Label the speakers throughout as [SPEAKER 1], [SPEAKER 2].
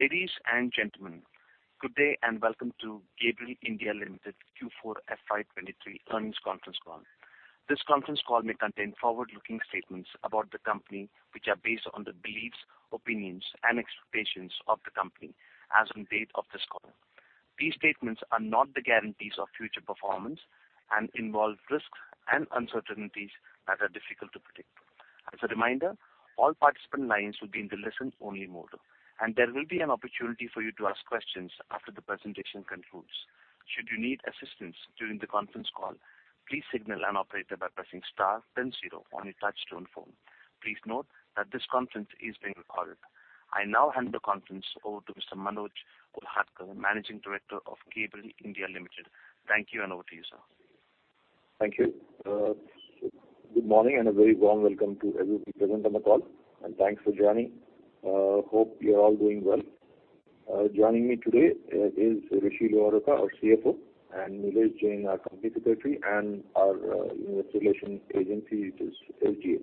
[SPEAKER 1] Ladies and gentlemen, good day, and welcome to Gabriel India Limited Q4 FY 2023 earnings conference call. This conference call may contain forward-looking statements about the company, which are based on the beliefs, opinions, and expectations of the company as on date of this call. These statements are not the guarantees of future performance and involve risks and uncertainties that are difficult to predict. As a reminder, all participant lines will be in the listen-only mode, and there will be an opportunity for you to ask questions after the presentation concludes. Should you need assistance during the conference call, please signal an operator by pressing star then zero on your touchtone phone. Please note that this conference is being recorded. I now hand the conference over to Mr. Manoj Kolhatkar, Managing Director of Gabriel India Limited. Thank you, and over to you, sir.
[SPEAKER 2] Thank you. Good morning, and a very warm welcome to everybody present on the call, and thanks for joining. Hope you're all doing well. Joining me today is Rishi Luharuka, our CFO, and Neeraj Jain, our company secretary, and our investor relations agency, which is LGA.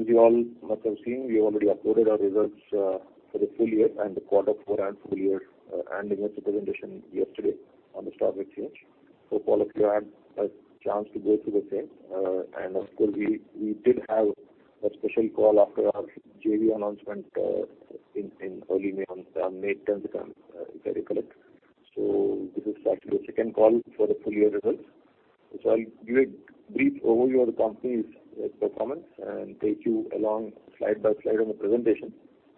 [SPEAKER 2] As you all must have seen, we already uploaded our results for the full year and quarter four and full year annual presentation yesterday on the stock exchange. So all of you had a chance to go through the same. And of course, we did have a special call after our JV announcement in early May, on May 10th, if I recall it. So this is actually the second call for the full year results. So I'll give a brief overview of the company's performance and take you along slide by slide on the presentation,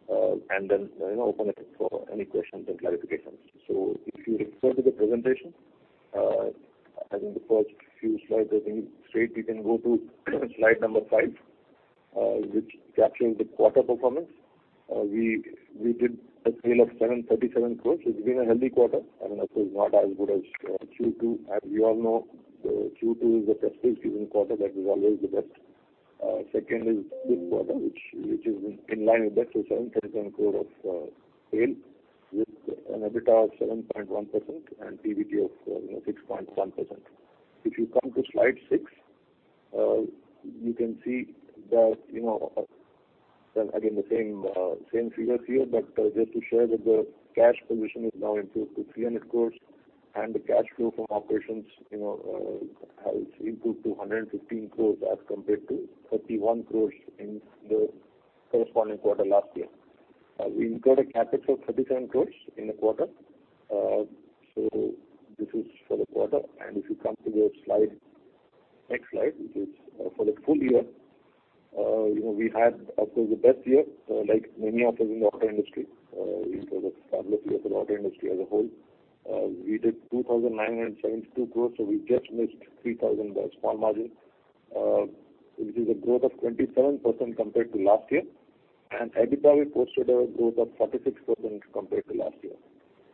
[SPEAKER 2] and then, you know, open it up for any questions and clarifications. So if you refer to the presentation, I think the first few slides, I think straight we can go to slide number five, which captures the quarter performance. We did a sale of 737 crore. It's been a healthy quarter, and of course, not as good as Q2. As you all know, Q2 is the festival season quarter. That is always the best. Second is this quarter, which is in line with that, so 737 crore of sale, with an EBITDA of 7.1% and PBT of 6.1%. If you come to slide six, you can see that, you know, again, the same, same figures here, but just to share that the cash position is now improved to 300 crore and the cash flow from operations, you know, has improved to 115 crore as compared to 31 crore in the corresponding quarter last year. We incurred a CapEx of 37 crore in the quarter. So this is for the quarter. If you come to the next slide, which is for the full year, you know, we had, of course, the best year, like many others in the auto industry, in terms of fabulous year for the auto industry as a whole. We did 2,972 crore, so we just missed 3,000 by a small margin, which is a growth of 27% compared to last year. And EBITDA, we posted a growth of 46% compared to last year,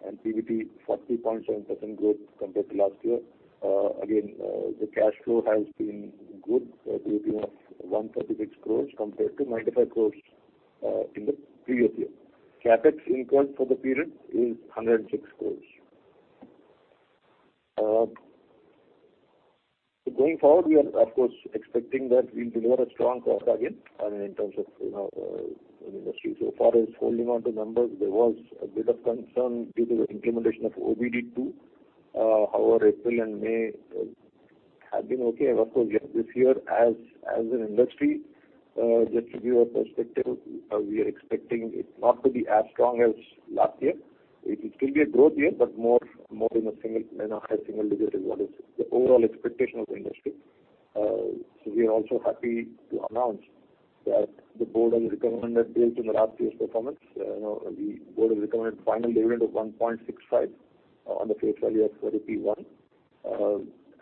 [SPEAKER 2] and PBT, 40.7% growth compared to last year. Again, the cash flow has been good, PBT of 136 crore compared to 95 crore in the previous year. CapEx incurred for the period is 106 crore. So going forward, we are of course expecting that we'll deliver a strong quarter again, I mean, in terms of, you know, the industry. So far as holding on to numbers, there was a bit of concern due to the implementation of OBD2. However, April and May have been okay. Of course, yet this year, as an industry, just to give you a perspective, we are expecting it not to be as strong as last year. It will be a growth year, but more in a single, in a high single digit is what is the overall expectation of the industry. So we are also happy to announce that the board has recommended due to last year's performance, you know, the board has recommended final dividend of 1.65 on the face value of 41.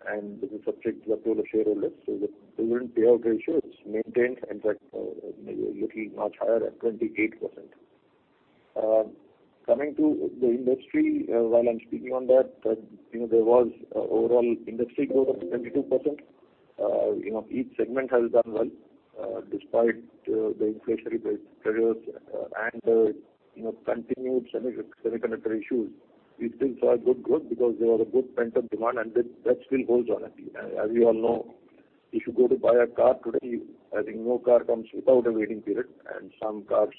[SPEAKER 2] And this is subject to the approval of shareholders. So the dividend payout ratio is maintained, in fact, maybe a little much higher at 28%. Coming to the industry, while I'm speaking on that, you know, there was an overall industry growth of 22%. You know, each segment has done well, despite the inflationary pressures and the, you know, continued semiconductor issues. We still saw a good growth because there was a good pent-up demand, and that still holds on. As you all know, if you go to buy a car today, I think no car comes without a waiting period, and some cars,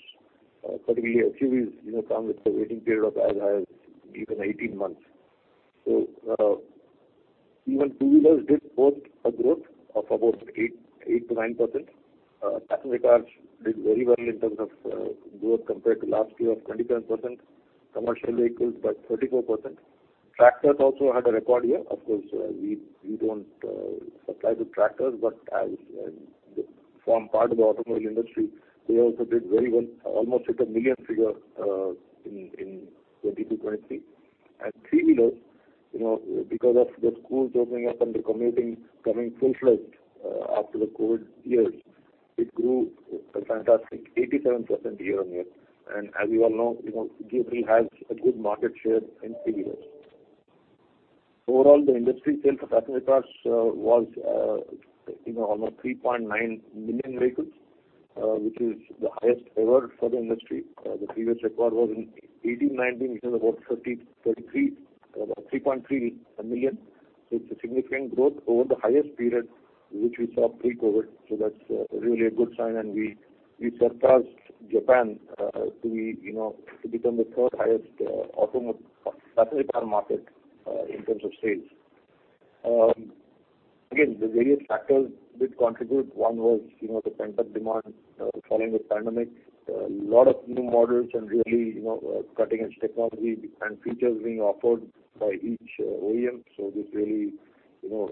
[SPEAKER 2] particularly SUVs, you know, come with a waiting period of as high as even 18 months. So, even two-wheelers did post a growth of about 8%-9%. Passenger cars did very well in terms of growth compared to last year of 27%. Commercial vehicles, by 34%. Tractors also had a record year. Of course, we don't supply the tractors, but as they form part of the automobile industry, they also did very well, almost hit a million figure in 2022, 2023. And three-wheelers, you know, because of the schools opening up and the commuting coming full-fledged after the COVID years, it grew a fantastic 87% year-over-year. And as you all know, you know, Gabriel has a good market share in three-wheelers. Overall, the industry sales of passenger cars was you know, almost 3.9 million vehicles, which is the highest ever for the industry. The previous record was in 2018, 2019, which was about 3.3 million.... So it's a significant growth over the highest period, which we saw pre-COVID. So that's really a good sign, and we surpassed Japan to be, you know, to become the third highest automotive passenger car market in terms of sales. Again, the various factors did contribute. One was, you know, the pent-up demand following the pandemic. A lot of new models and really, you know, cutting-edge technology and features being offered by each OEM. So this really, you know,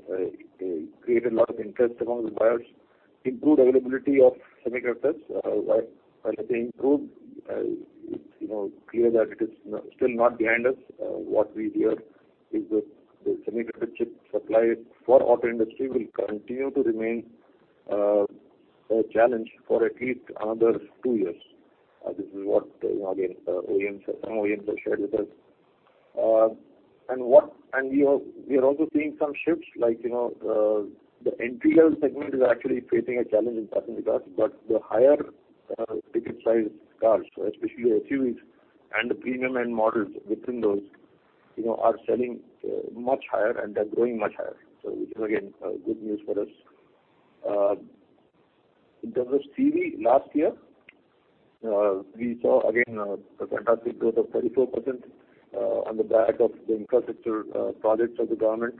[SPEAKER 2] created a lot of interest among the buyers. Improved availability of semiconductors, while they improved, it's clear that it is still not behind us. What we hear is that the semiconductor chip supply for auto industry will continue to remain a challenge for at least another two years. This is what, you know, the OEMs, some OEMs have shared with us. We are also seeing some shifts, like, you know, the entry-level segment is actually facing a challenge in passenger cars, but the higher ticket size cars, especially SUVs and the premium-end models within those, you know, are selling much higher, and they're growing much higher. So which is, again, good news for us. In terms of CE, last year, we saw again a fantastic growth of 34%, on the back of the infrastructure projects of the government.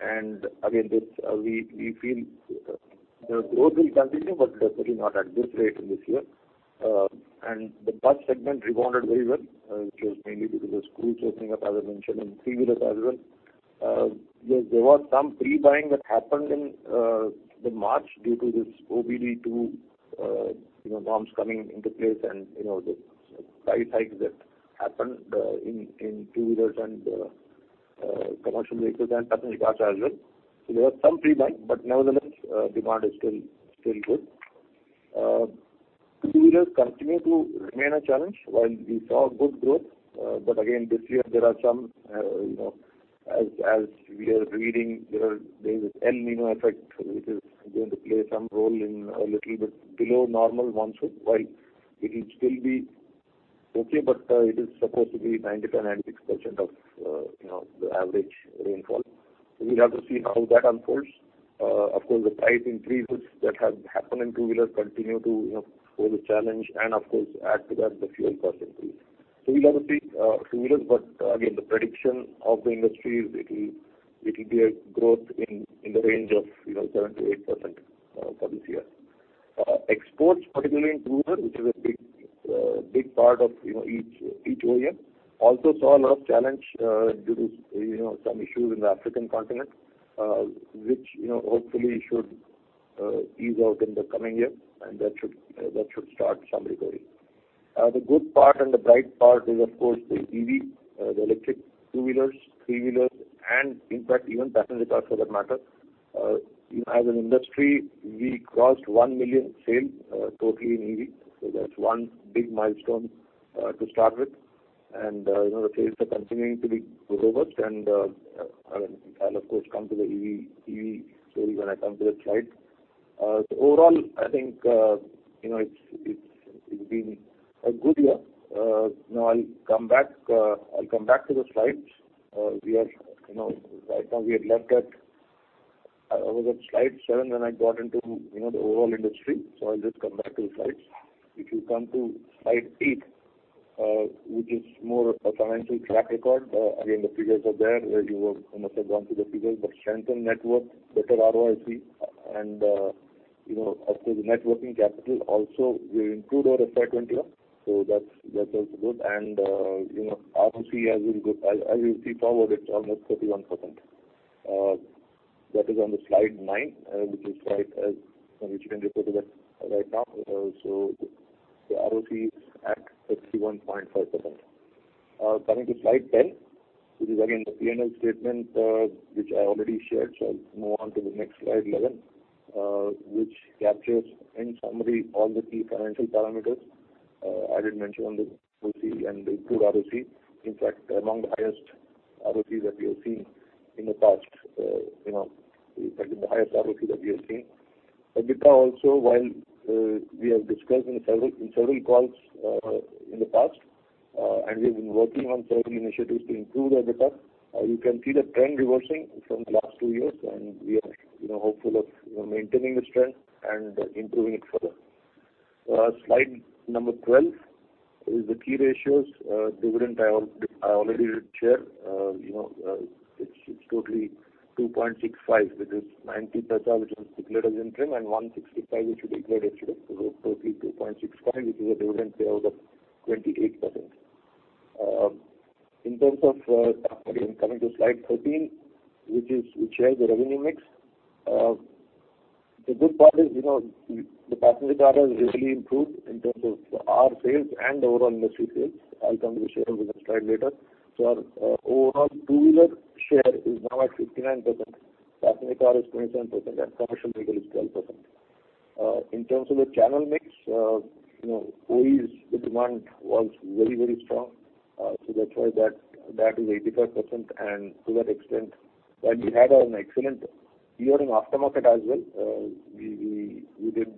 [SPEAKER 2] And again, this we feel the growth will continue, but definitely not at this rate in this year. And the bus segment rebounded very well, which was mainly because the schools opening up, as I mentioned, and three-wheelers as well. There was some pre-buying that happened in the March due to this OBD2, you know, norms coming into place and, you know, the price hikes that happened in two-wheelers and commercial vehicles and passenger cars as well. So there was some pre-buying, but nevertheless, demand is still good. Two-wheelers continue to remain a challenge while we saw good growth. But again, this year, there are some, you know, as we are reading, there is El Niño effect, which is going to play some role in a little bit below normal monsoon, while it will still be okay, but it is supposed to be 95%-96% of the average rainfall. So we'll have to see how that unfolds. Of course, the price increase that has happened in two-wheelers continue to, you know, pose a challenge and, of course, add to that the fuel cost increase. So we'll have to see, two-wheelers, but again, the prediction of the industry is it will be a growth in the range of, you know, 7%-8%, for this year. Exports, particularly in two-wheeler, which is a big, big part of, you know, each, each OEM, also saw a lot of challenge, due to, you know, some issues in the African continent, which, you know, hopefully should, ease out in the coming year, and that should, that should start some recovery. The good part and the bright part is, of course, the EV, the electric two-wheelers, three-wheelers, and in fact, even passenger cars, for that matter. As an industry, we crossed 1 million sales totally in EV. So that's one big milestone to start with. And, you know, the sales are continuing to be robust, and, I mean, I'll of course come to the EV story when I come to the slides. So overall, I think, you know, it's been a good year. Now I'll come back to the slides. We are, you know, right now, we had left at, I was at slide seven, when I got into, you know, the overall industry. So I'll just come back to the slides. If you come to slide eight, which is more of a financial track record. Again, the figures are there, where you will, you must have gone through the figures, but strengthened network, better ROIC, and, you know, after the net working capital also, we improved our FY-21. So that's, that's also good. And, you know, ROCE as we go as you see forward, it's almost 31%. That is on the slide nine, which is slide nine which you can refer to that right now. So the ROCE is at 31.5%. Coming to slide 10, which is again the P&L statement, which I already shared, so I'll move on to the next slide 11, which captures in summary all the key financial parameters. I did mention on the ROCE and the good ROCE. In fact, among the highest ROCE that we have seen in the past, you know, in fact, the highest ROCE that we have seen. EBITDA also, while we have discussed in several calls in the past, and we've been working on several initiatives to improve our EBITDA, you can see the trend reversing from the last two years, and we are, you know, hopeful of, you know, maintaining the strength and improving it further. Slide number 12 is the key ratios, dividend. I already did share. You know, it's totally 2.65, which is 0.90, which was declared as interim, and 1.65, which we declared extra. So totally 2.65, which is a dividend payout of 28%. In terms of coming to slide 13, which shares the revenue mix. The good part is, you know, the passenger car has really improved in terms of our sales and overall industry sales. I'll come to the shareholding slide later. So our overall two-wheeler share is now at 59%, passenger car is 27%, and commercial vehicle is 12%. In terms of the channel mix, you know, OEs, the demand was very, very strong. So that's why that is 85%, and to that extent, well, we had an excellent year in aftermarket as well. We did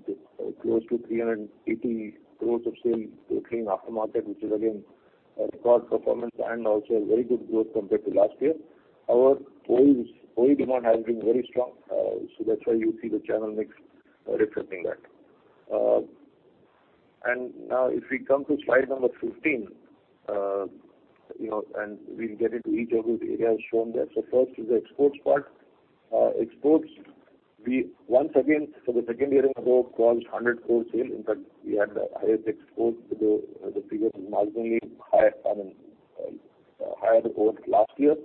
[SPEAKER 2] close to 380 crores of sales in aftermarket, which is again a record performance and also a very good growth compared to last year. Our oils, oil demand has been very strong, so that's why you see the channel mix, reflecting that. And now if we come to slide number 15, you know, and we'll get into each of the areas shown there. So first is the exports part. Exports, we once again, for the second year in a row, crossed 100 crore sale. In fact, we had the highest exports. The figure is marginally higher, I mean, higher than what was last year.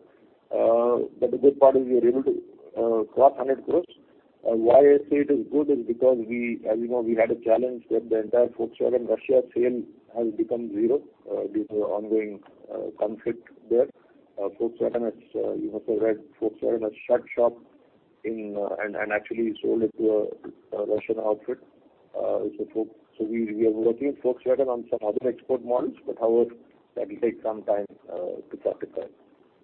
[SPEAKER 2] But the good part is we are able to cross 100 crores. And why I say it is good is because we, as you know, we had a challenge that the entire Volkswagen Russia sale has become zero, due to the ongoing conflict there. Volkswagen, as you must have read, Volkswagen has shut shop in and actually sold it to a Russian outfit. So we are working with Volkswagen on some other export models, but however, that will take some time to fructify.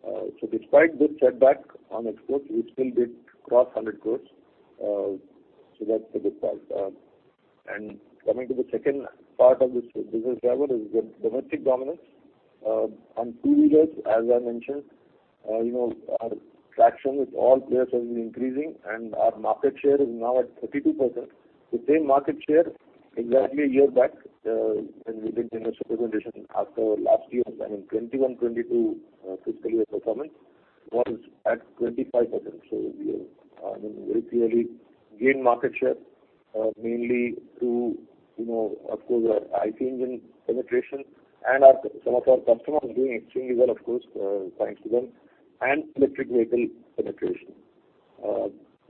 [SPEAKER 2] So despite this setback on exports, we still did cross 100 crore, so that's the good part. Coming to the second part of this business driver is the domestic dominance. On two-wheelers, as I mentioned, you know, our traction with all players has been increasing, and our market share is now at 32%. The same market share exactly a year back, when we did the presentation after last year, I mean, 2021-2022 fiscal year performance, was at 25%. So we have, I mean, very clearly gained market share, mainly through, you know, of course, our ICE engine penetration and our some of our customers are doing extremely well, of course, thanks to them, and electric vehicle penetration.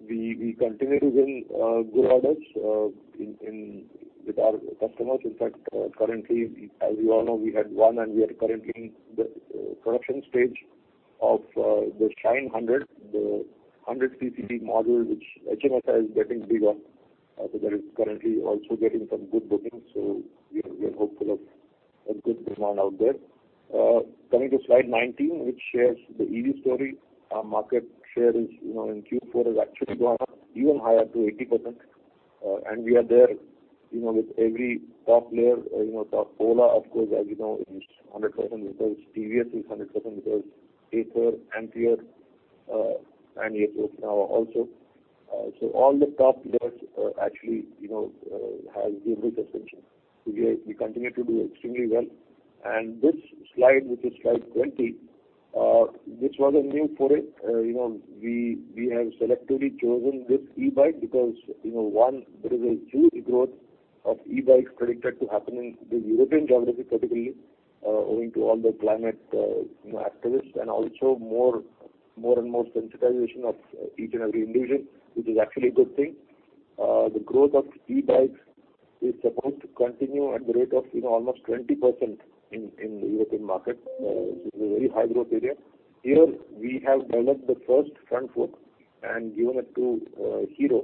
[SPEAKER 2] We continue to win good orders in with our customers. In fact, currently, as you all know, we had one, and we are currently in the production stage of the Shine 100, the 100 cc model, which HMSI is getting big on. So that is currently also getting some good bookings, so we are hopeful of a good demand out there. Coming to slide 19, which shares the EV story. Our market share is, you know, in Q4, has actually gone up even higher to 80%, and we are there, you know, with every top player. You know, Ola, of course, as you know, is 100% with us, TVS is 100% with us, Ather, Anteater and Yato now also. So all the top players actually, you know, have vehicle suspension. So we are. We continue to do extremely well. And this slide, which is slide 20, this was a new foray. You know, we, we have selectively chosen this e-bike because, you know, one, there is a huge growth of e-bikes predicted to happen in the European geography, particularly, owing to all the climate, you know, activists, and also more and more sensitization of each and every individual, which is actually a good thing. The growth of e-bikes is supposed to continue at the rate of, you know, almost 20% in the European market. It's a very high growth area. Here, we have developed the first front fork and given it to Hero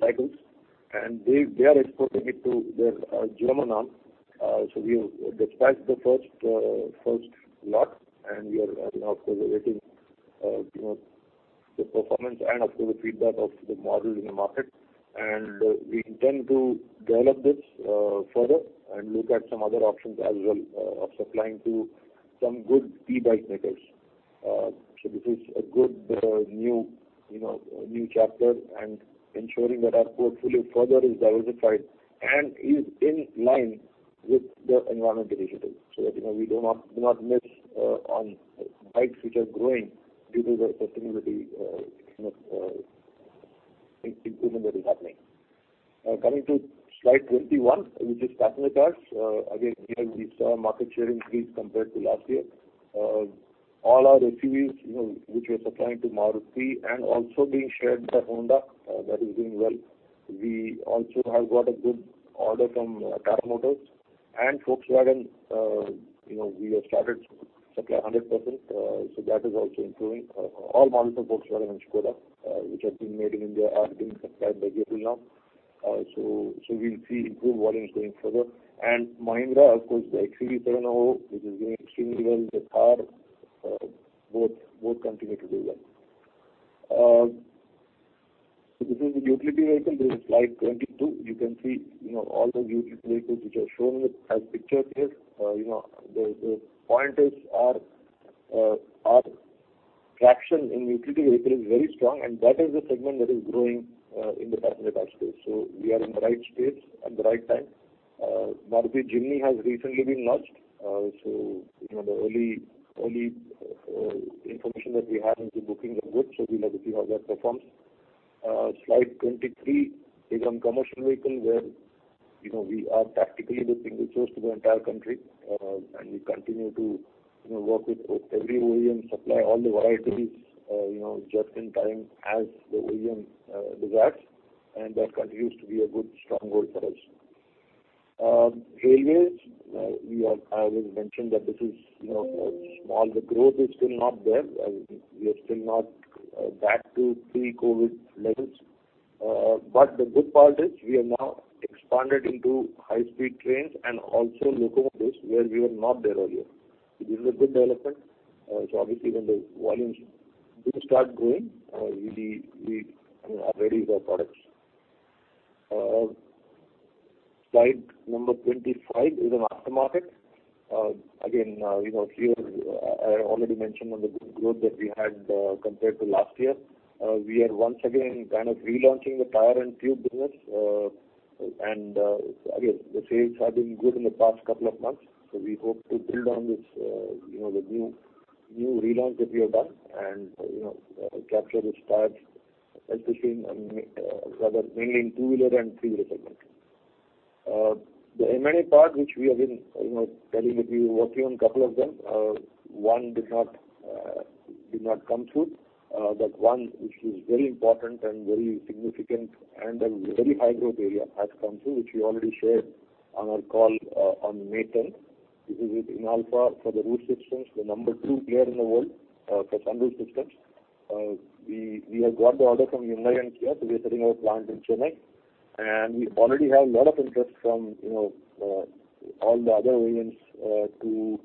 [SPEAKER 2] Cycles, and they are exporting it to their German arm. So we have dispatched the first lot, and we are, of course, waiting, you know, the performance and, of course, the feedback of the model in the market. And we intend to develop this further and look at some other options as well of supplying to some good e-bike makers. So this is a good new, you know, new chapter and ensuring that our portfolio further is diversified and is in line with the environment initiative, so that, you know, we do not miss on bikes which are growing due to the sustainability, you know, improvement that is happening. Coming to slide 21, which is passenger cars. Again, here we saw market share increase compared to last year. All our SUVs, you know, which we are supplying to Maruti and also being shared by Honda, that is doing well. We also have got a good order from Tata Motors and Volkswagen. You know, we have started supply 100%, so that is also improving. All models of Volkswagen and Skoda, which are being made in India, are being supplied by Gabriel now. So we'll see improved volumes going further. And Mahindra, of course, the XUV700, which is doing extremely well, the Thar, both continue to do well. So this is the utility vehicle. This is slide 22. You can see, you know, all the utility vehicles which are shown as pictures here. You know, the point is, our traction in utility vehicle is very strong, and that is the segment that is growing in the passenger car space. So we are in the right space at the right time. Maruti Jimny has recently been launched. So you know, the early information that we have into booking are good, so we'll have to see how that performs. Slide 23 is on commercial vehicle, where, you know, we are practically the single source to the entire country, and we continue to, you know, work with every OEM, supply all the varieties, you know, just in time as the OEM desires, and that continues to be a good stronghold for us. Railways, I already mentioned that this is, you know, small. The growth is still not there. We are still not back to pre-COVID levels. But the good part is we are now expanded into high-speed trains and also locomotives, where we were not there earlier. It is a good development. So obviously, when the volumes do start growing, we, you know, are ready with our products. Slide number 25 is an aftermarket. Again, you know, here, I already mentioned on the good growth that we had compared to last year. We are once again kind of relaunching the tire and tube business. And again, the sales have been good in the past couple of months, so we hope to build on this, you know, the new relaunch that we have done and, you know, capture this part, especially in, rather mainly in two-wheeler and three-wheeler segment. The M&A part, which we have been, you know, telling that we were working on a couple of them. One did not come through. But one, which is very important and very significant and a very high growth area, has come through, which we already shared on our call, on May 10th. This is with Inalfa for the roof systems, the number-two player in the world, for sunroof systems. We have got the order from Hyundai and Kia, so we are setting our plant in Chennai. And we already have a lot of interest from, you know, all the other OEMs, to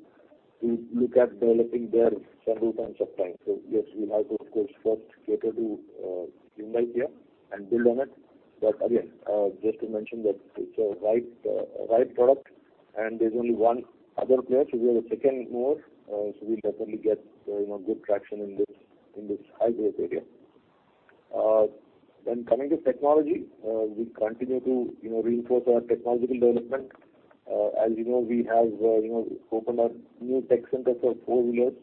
[SPEAKER 2] look at developing their several kinds of sunroofs. So yes, we have to, of course, first cater to Hyundai, Kia and build on it. But again, just to mention that it's a right product, and there's only one other player, so we are the second more, so we'll definitely get, you know, good traction in this high growth area. Then coming to technology, we continue to, you know, reinforce our technological development. As you know, we have, you know, opened our new Tech Center for four-wheelers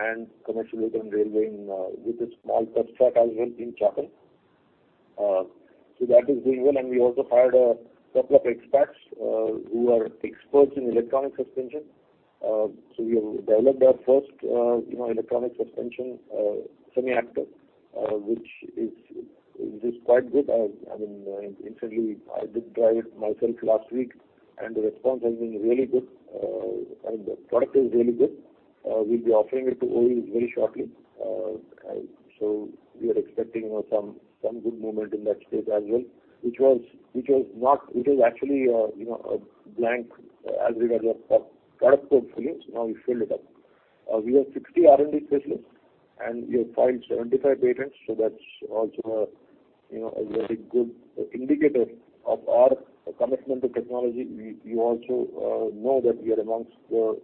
[SPEAKER 2] and commercial vehicle and railway in, with a small sub-stack as well in Chakan. So that is doing well, and we also hired a couple of expats who are experts in electronic suspension. So we have developed our first, you know, electronic suspension, semi-active, which is quite good. I mean, incidentally, I did try it myself last week, and the response has been really good, and the product is really good. We'll be offering it to OEs very shortly. So we are expecting, you know, some good movement in that space as well, which was not, it was actually, you know, a blank as regard of our product portfolio, so now we filled it up. We have 60 R&D specialists, and we have filed 75 patents, so that's also a, you know, a very good indicator of our commitment to technology. We also know that we are amongst the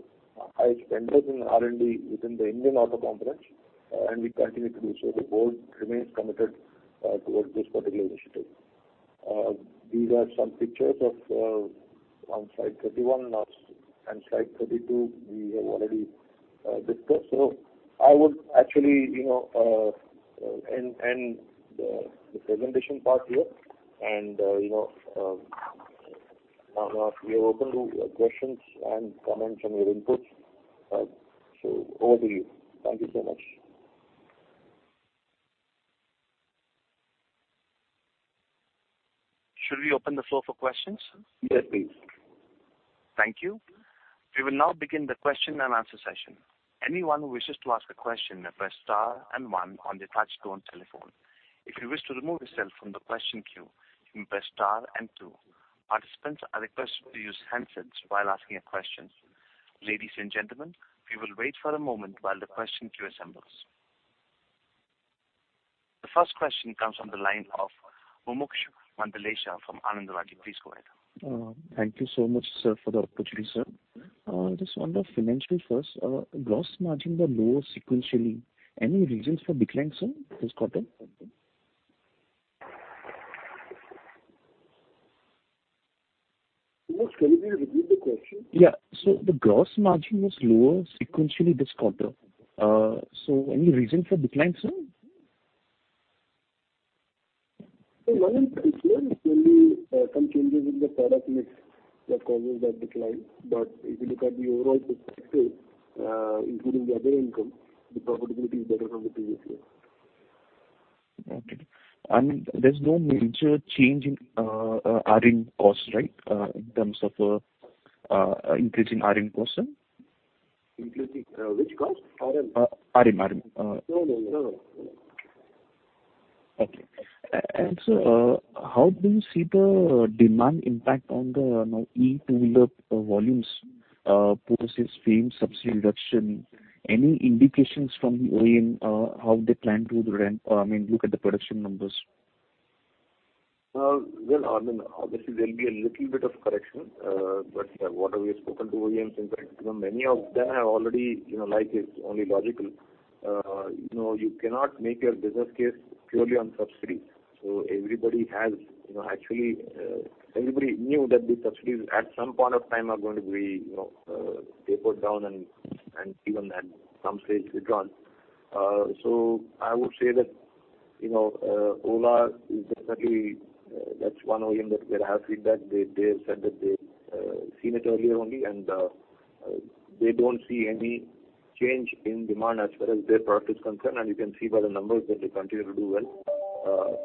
[SPEAKER 2] highest spenders in R&D within the Indian auto conference, and we continue to do so. The board remains committed towards this particular initiative. These are some pictures of on slide 31 and slide 32, we have already discussed. So I would actually, you know, end the presentation part here. And, you know, now we are open to questions and comments and your inputs. So over to you. Thank you so much.
[SPEAKER 1] Should we open the floor for questions?
[SPEAKER 2] Yes, please.
[SPEAKER 1] Thank you. We will now begin the Q&A session. Anyone who wishes to ask a question, may press star and one on the touchtone telephone. If you wish to remove yourself from the question queue, you may press star and two. Participants are requested to use handsets while asking a question. Ladies and gentlemen, we will wait for a moment while the question queue assembles. The first question comes from the line of Mumuksha Mandlesha from Anand Rathi. Please go ahead.
[SPEAKER 3] Thank you so much, sir, for the opportunity, sir. Just on the financial first, gross margin were lower sequentially. Any reasons for decline, sir, this quarter?
[SPEAKER 2] Mumuksha, can you repeat the question?
[SPEAKER 3] Yeah. The gross margin was lower sequentially this quarter. Any reason for decline, sir?
[SPEAKER 2] One is clearly some changes in the product mix that causes that decline, but if you look at the overall picture, including the other income, the profitability is better than the previous year.
[SPEAKER 3] Okay. And there's no major change in RM costs, right? In terms of increasing RM cost, sir?
[SPEAKER 2] Increasing, which cost? RM?
[SPEAKER 3] RM.
[SPEAKER 2] No.
[SPEAKER 3] Okay. And, sir, how do you see the demand impact on the, you know, e-two-wheeler volumes, purchases, FAME subsidy reduction? Any indications from the OEM, how they plan to their end, I mean, look at the production numbers?
[SPEAKER 2] Well, I mean, obviously, there'll be a little bit of correction, but what we have spoken to OEMs, in fact, you know, many of them have already, you know, like it's only logical, you cannot make your business case purely on subsidy. So everybody has, you know, actually, everybody knew that the subsidies at some point of time are going to be, you know, tapered down and even at some stage, withdrawn. So I would say that, you know, Ola is definitely, that's one OEM that we have feedback. They have said that they seen it earlier only, and, they don't see any change in demand as far as their product is concerned, and you can see by the numbers that they continue to do well.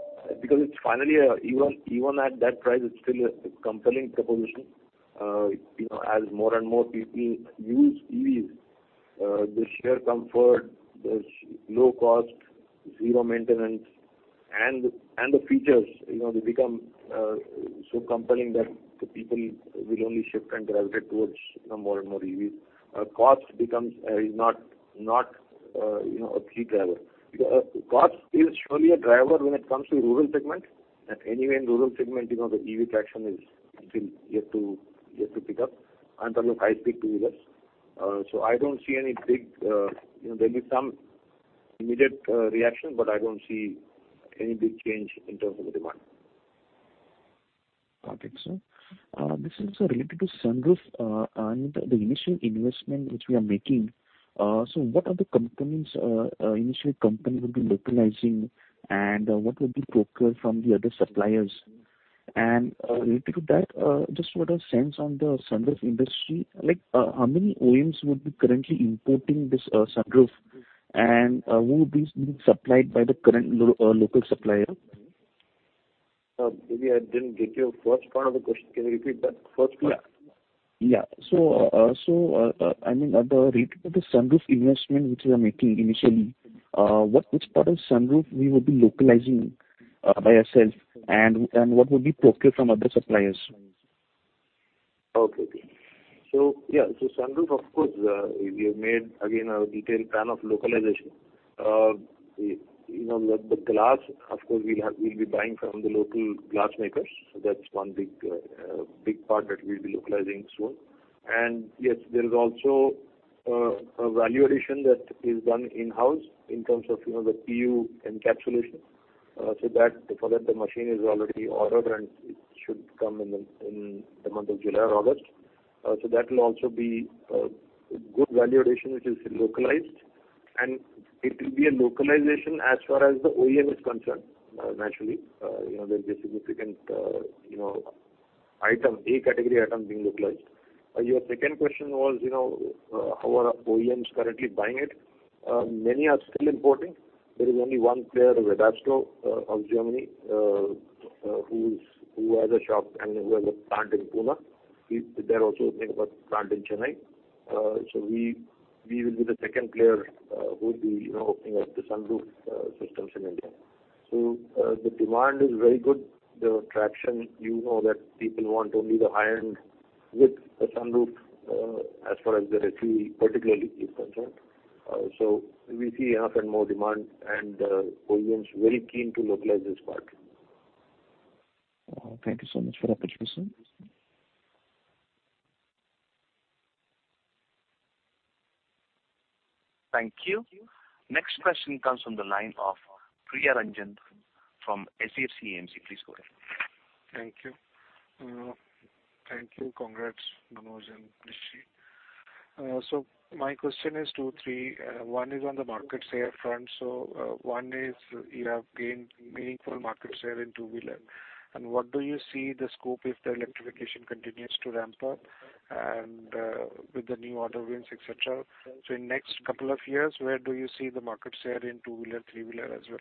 [SPEAKER 2] Because it's finally even, even at that price, it's still a compelling proposition. You know, as more and more people use EVs, the sheer comfort, the low cost, zero maintenance, and, and the features, you know, they become so compelling that the people will only shift and gravitate towards, you know, more and more EVs. Cost becomes, is not, you know, a key driver. Because cost is surely a driver when it comes to rural segment, and anyway, in rural segment, you know, the EV traction is still yet to, yet to pick up. And look, I speak to users, so I don't see any big, you know, there'll be some immediate reaction, but I don't see any big change in terms of the demand.
[SPEAKER 3] Perfect, sir. This is related to sunroof, and the initial investment which we are making. So what are the components initially company will be localizing, and what would be procured from the other suppliers? Related to that, just what a sense on the sunroof industry, like, how many OEMs would be currently importing this sunroof? Would these be supplied by the current local supplier?
[SPEAKER 2] Maybe I didn't get your first part of the question. Can you repeat that first part?
[SPEAKER 3] Yeah. Yeah. So, I mean, related to the sunroof investment, which we are making initially, what, which part of sunroof we would be localizing by ourselves, and what would be procured from other suppliers?
[SPEAKER 2] Okay. So yeah, so sunroof, of course, we have made, again, a detailed plan of localization. You know, the, the glass, of course, we'll be buying from the local glass makers. So that's one big, big part that we'll be localizing soon. And yes, there is also, a value addition that is done in-house in terms of, you know, the PU encapsulation. So that, for that, the machine is already ordered, and it should come in the month of July or August. So that will also be, a good value addition, which is localized, and it will be a localization as far as the OEM is concerned, naturally. You know, there's a significant, you know, item, A-category item being localized. Your second question was, you know, how are our OEMs currently buying it? Many are still importing. There is only one player, Webasto, of Germany, who has a shop and who has a plant in Pune. They're also opening a plant in Chennai. So we will be the second player, who will be, you know, opening up the sunroof systems in India. So the demand is very good. The traction, you know, that people want only the high-end with the sunroof, as far as the EV particularly is concerned. So we see enough and more demand, and OEMs very keen to localize this part.
[SPEAKER 3] Thank you so much for the opportunity, sir.
[SPEAKER 1] Thank you. Next question comes from the line of Priya Ranjan from HDFC AMC. Please go ahead.
[SPEAKER 4] Thank you. Thank you. Congrats, Manoj and Nishi. So my question is two or three. One is on the market share front. So, one is you have gained meaningful market share in two-wheeler, and what do you see the scope if the electrification continues to ramp up and, with the new order wins, et cetera? So in next couple of years, where do you see the market share in two-wheeler, three-wheeler as well,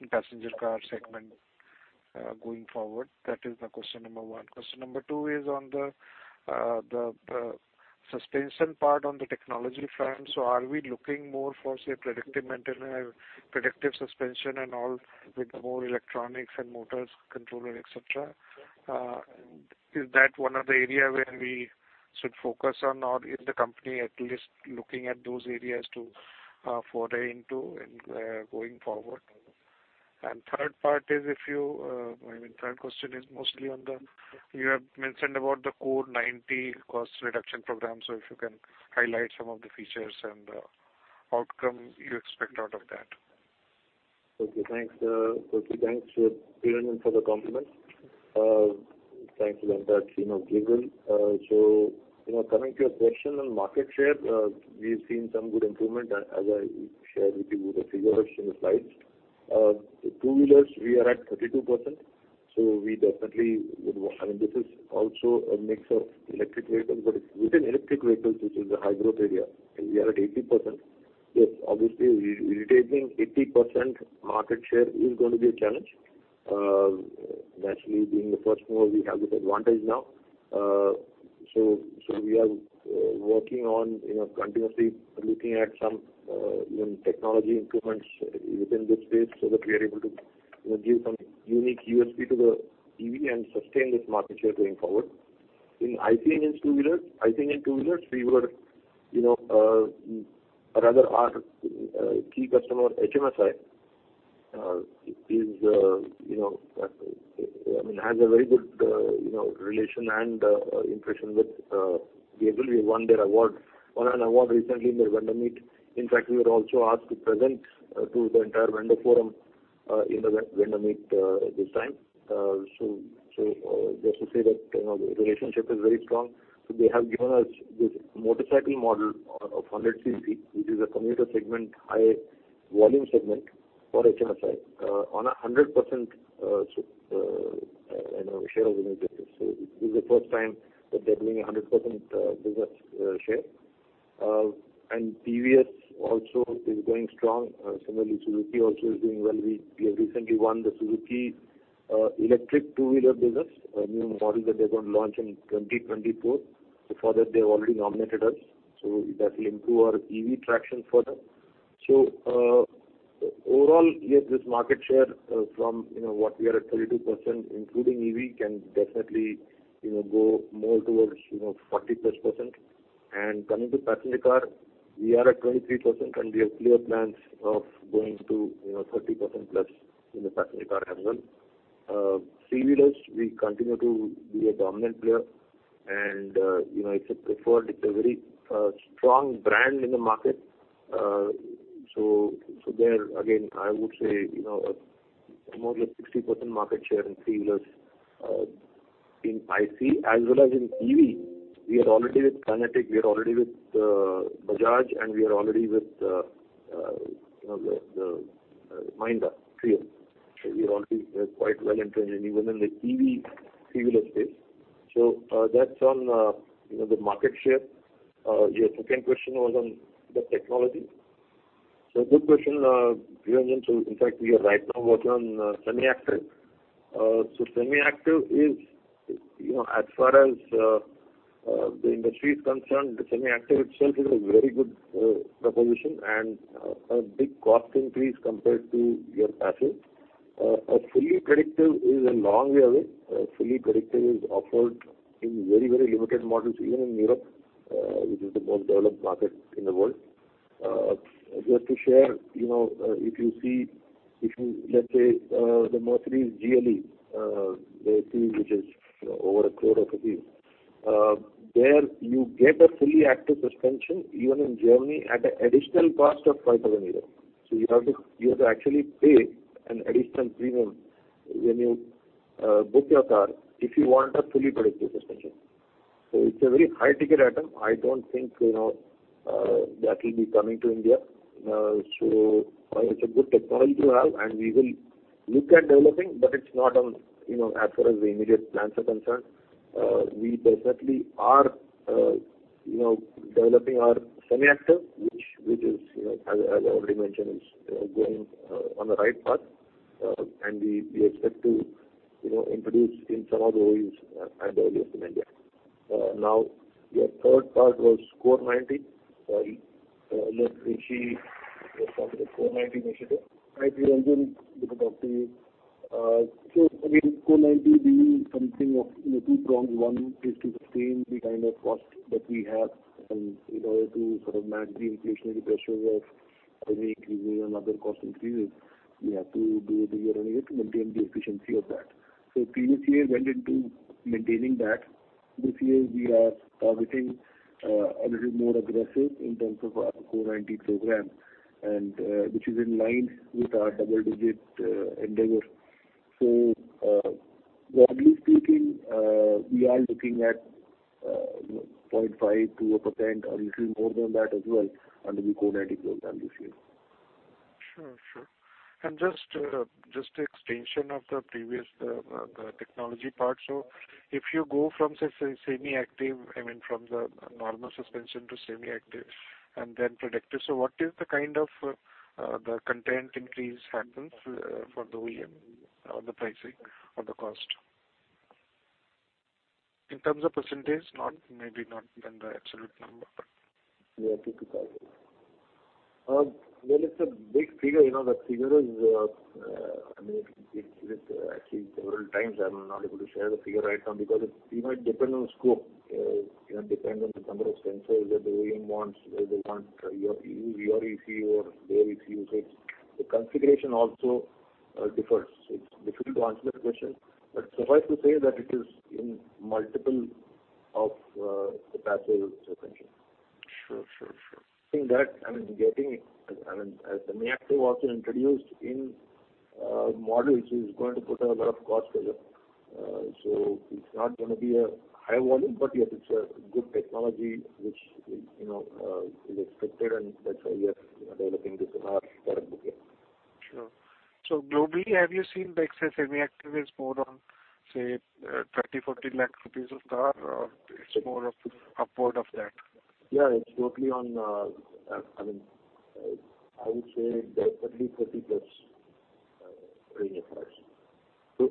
[SPEAKER 4] in passenger car segment, going forward? That is the question number one. Question number two is on the suspension part on the technology front. So are we looking more for, say, predictive maintenance, predictive suspension, and all with more electronics and motors, controller, et cetera? Is that one of the area where we should focus on, or is the company at least looking at those areas to foray into and going forward? And third part is if you, I mean, third question is mostly on the... You have mentioned about the CORE 90 cost reduction program. So if you can highlight some of the features and outcome you expect out of that.
[SPEAKER 2] Okay, thanks, Priya, for the compliment. Thanks for that, you know, giggle. So, you know, coming to your question on market share, we've seen some good improvement, as I shared with you the figures in the slides. The two-wheelers, we are at 32%, so we definitely would—I mean, this is also a mix of electric vehicles, but within electric vehicles, which is a high growth area, we are at 80%. Yes, obviously, retaining 80% market share is going to be a challenge. Naturally, being the first mover, we have this advantage now. So, so we are working on, you know, continuously looking at some, you know, technology improvements within this space so that we are able to, you know, give some unique USP to the EV and sustain this market share going forward. In ICE two-wheelers, we were, you know, rather our key customer, HMSI, is, you know, I mean, has a very good, you know, relation and impression with Gabriel. We won their award, won an award recently in their vendor meet. In fact, we were also asked to present to the entire vendor forum in the vendor meet this time. So, just to say that, you know, the relationship is very strong. So they have given us this motorcycle model of 100 cc, which is a commuter segment, high volume segment for HMSI, on a 100% share of the business. So this is the first time that they're doing a 100% business share. And TVS also is going strong. Similarly, Suzuki also is doing well. We have recently won the Suzuki electric two-wheeler business, a new model that they're going to launch in 2024. So for that, they have already nominated us, so that will improve our EV traction further. So, overall, yes, this market share, from, you know, what we are at 32%, including EV, can definitely, you know, go more towards, you know, 40%+. And coming to passenger car, we are at 23%, and we have clear plans of going to, you know, 30%+ in the passenger car as well. Three-wheelers, we continue to be a dominant player, and, you know, it's a preferred, it's a very strong brand in the market. So there, again, I would say, you know, more than 60% market share in three-wheelers, in ICE as well as in EV. We are already with Kinetic, we are already with Bajaj, and we are already with you know, the Minda trio. So we are already quite well entrenched even in the EV three-wheeler space. So that's on you know, the market share. Your second question was on the technology. So good question, Ranjan. So in fact, we are right now working on semi-active. So semi-active is you know, as far as the industry is concerned, the semi-active itself is a very good proposition and a big cost increase compared to your passive. A fully predictive is a long way away. A fully predictive is offered in very, very limited models, even in Europe, which is the most developed market in the world. Just to share, you know, if you see, if you, let's say, the Mercedes GLE, the thing which is over INR 1 crore, there you get a fully active suspension, even in Germany, at an additional cost of 5,000 euros. So you have to, you have to actually pay an additional premium when you, book your car if you want a fully predictive suspension. So it's a very high-ticket item. I don't think, you know, that will be coming to India. So it's a good technology to have, and we will look at developing, but it's not on, you know, as far as the immediate plans are concerned. We definitely are, you know, developing our semi-active, which is, you know, as, as I already mentioned, is going on the right path. And we, we expect to, you know, introduce in some of the OEs and earliest in India. Now, your third part was Core 90. Sorry, let Rishi respond to the Core 90 initiative. Hi, Ranjan. Good to talk to you. So, I mean, Core 90 being something of, you know, tw- pronged. One is to sustain the kind of cost that we have in order to sort of match the inflationary pressures of any increases and other cost increases, we have to do year-on-year to maintain the efficiency of that. So previous year went into maintaining that. This year, we are targeting, a little more aggressive in terms of our Core 90 program, and, which is in line with our double-digit, endeavor. So, broadly speaking, we are looking at, 0.5%-1% or little more than that as well under the Core 90 program this year.
[SPEAKER 4] Sure. Just an extension of the previous, the technology part. So if you go from, say, semi-active, I mean, from the normal suspension to semi-active and then predictive, so what is the kind of, the content increase happens, for the OEM on the pricing or the cost? In terms of percentage, not, maybe not than the absolute number.
[SPEAKER 2] Yeah, good to cover. Well, it's a big figure. You know, the figure is, I mean, actually several times, I'm not able to share the figure right now because it, you know, it depend on scope, you know, depend on the number of sensors that the OEM wants, they want your ECU, your ECU, or their ECU. So the configuration also differs. It's difficult to answer that question, but suffice to say that it is in multiple of the passive suspension.
[SPEAKER 4] Sure.
[SPEAKER 2] I think that, I mean, as the semi-active also introduced in models is going to put a lot of cost pressure. So it's not going to be a high volume, but yet it's a good technology which, you know, is expected, and that's why we are, you know, developing this in our product book here.
[SPEAKER 4] Sure. So globally, have you seen the excess semi-active is more on, say, 3 million to 4 million rupees of car, or it's more upward of that?
[SPEAKER 2] Yeah, it's totally on, I mean, I would say definitely 30 lakh+ premium cars. So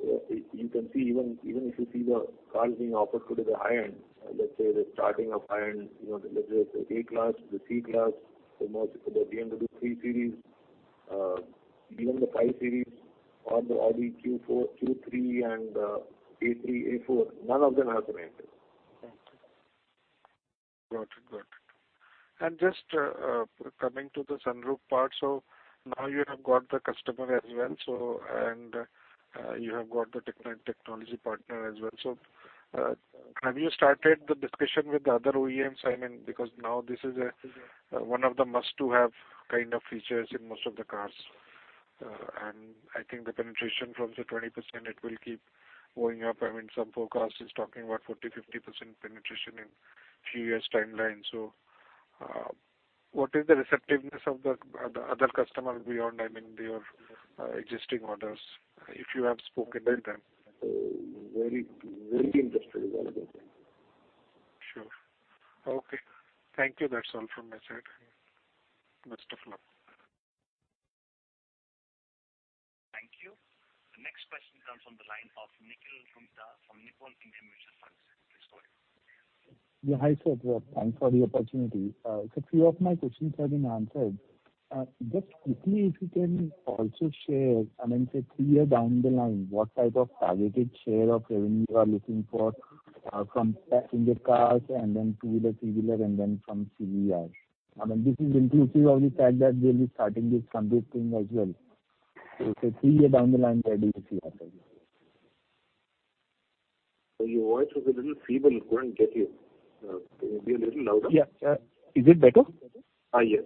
[SPEAKER 2] you can see, even if you see the cars being offered today, the high end, let's say, the starting of high end, you know, let's say, the A-class, the C-class, the most, the BMW 3 Series, even the 5 Series or the Audi Q4, Q3 and A3, A4, none of them have semi-active.
[SPEAKER 4] Got it. And just coming to the sunroof part. So now you have got the customer as well, so, and you have got the technology partner as well. So have you started the discussion with the other OEMs? I mean, because now this is a one of the must-to-have kind of features in most of the cars. And I think the penetration from the 20%, it will keep going up. I mean, some forecast is talking about 40%-50% penetration in few years timeline. So what is the receptiveness of the other customer beyond, I mean, your existing orders, if you have spoken with them?
[SPEAKER 2] Very, interested is what I can say.... Sure. Okay, thank you. That's all from my side. Best of luck!
[SPEAKER 1] Thank you. The next question comes from the line of Nikhil from Nippon India Mutual Fund. Please go ahead.
[SPEAKER 5] Yeah, hi, sir. Thanks for the opportunity. So few of my questions have been answered. Just quickly, if you can also share, I mean, say, three year down the line, what type of targeted share of revenue you are looking for from passenger cars and then two-wheeler, three-wheeler, and then from CVR. I mean, this is inclusive of the fact that they'll be starting this converting as well. So say three year down the line, where do you see ourselves?
[SPEAKER 2] Your voice was a little feeble. Couldn't get you. Can you be a little louder?
[SPEAKER 5] Yeah. Is it better?
[SPEAKER 2] Yes,.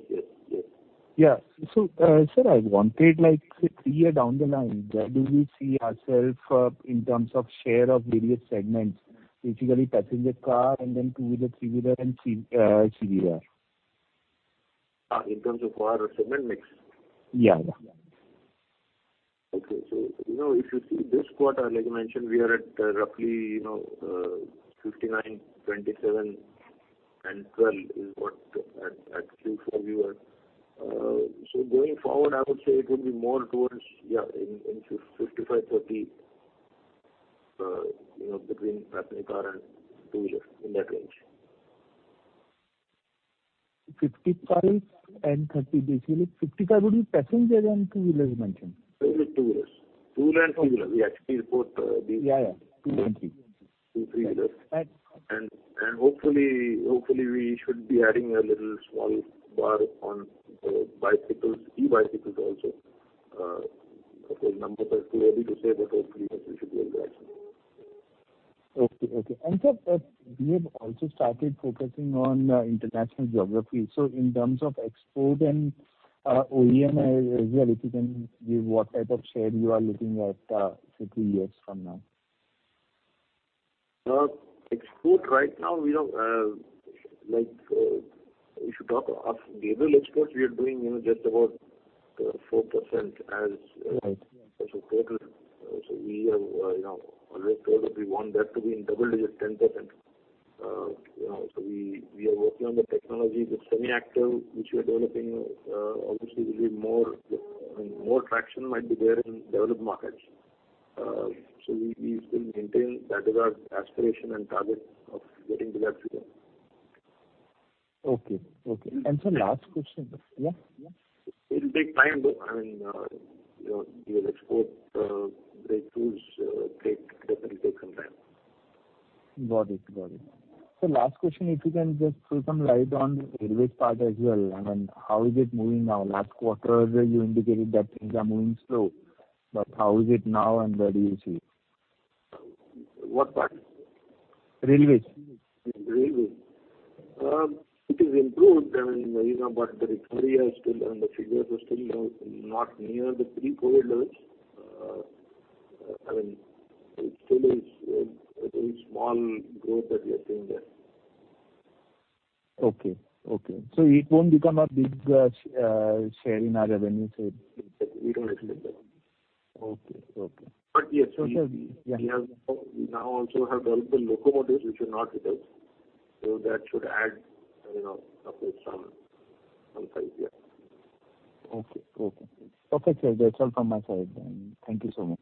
[SPEAKER 5] Yeah. So, sir, I wanted, like, say, three year down the line, where do we see ourself in terms of share of various segments, basically passenger car and then two-wheeler, three-wheeler, and c, CVR?
[SPEAKER 2] In terms of car or segment mix?
[SPEAKER 5] Yeah.
[SPEAKER 2] Okay. So, you know, if you see this quarter, like I mentioned, we are at roughly, you know, 59, 27 and 12 is what at, at Q4 we were. So going forward, I would say it would be more towards, yeah, in 55, 30, you know, between passenger car and two-wheeler, in that range.
[SPEAKER 5] 55 and 30. Basically, 55, what do you, passenger and two-wheelers mention?
[SPEAKER 2] Two-wheelers. Two-wheeler and three-wheeler. We actually report the-
[SPEAKER 5] Yeah.
[SPEAKER 2] Two, three-wheelers.
[SPEAKER 5] Right.
[SPEAKER 2] Hopefully, we should be adding a little small bar on bicycles, e-bicycles also. Okay, numbers are too early to say, but hopefully we should be able to add some.
[SPEAKER 5] Okay, okay. Sir, we have also started focusing on international geography. So in terms of export and OEM as well, if you can give what type of share you are looking at, say, two years from now?
[SPEAKER 2] Export right now, we have like, if you talk of the overall exports, we are doing, you know, just about 4% as.
[SPEAKER 5] Right.
[SPEAKER 2] As of total. So we have, you know, always told that we want that to be in double digits, 10%. You know, so we, we are working on the technology, the semi-active, which we are developing, obviously will be more, I mean, more traction might be there in developed markets. So we, we still maintain that is our aspiration and target of getting to that figure.
[SPEAKER 5] Okay. Sir, last question. Yeah.
[SPEAKER 2] It will take time, though. I mean, you know, your exports definitely take some time.
[SPEAKER 5] Got it, got it. So last question, if you can just throw some light on the railway part as well. I mean, how is it moving now? Last quarter, you indicated that things are moving slow, but how is it now and where do you see?
[SPEAKER 2] What part?
[SPEAKER 5] Railways.
[SPEAKER 2] Railways. It is improved, I mean, you know, but the recovery is still and the figures are still, you know, not near the pre-COVID levels. I mean, it still is a very small growth that we are seeing there.
[SPEAKER 5] Okay. So it won't become a big share in our revenue, so...
[SPEAKER 2] We don't expect that.
[SPEAKER 5] Okay.
[SPEAKER 2] But yes-
[SPEAKER 5] So, yeah.
[SPEAKER 2] We have, we now also have developed the locomotives, which are not with us. So that should add, you know, of course, some size, yeah.
[SPEAKER 5] Okay, sir, that's all from my side, and thank you so much.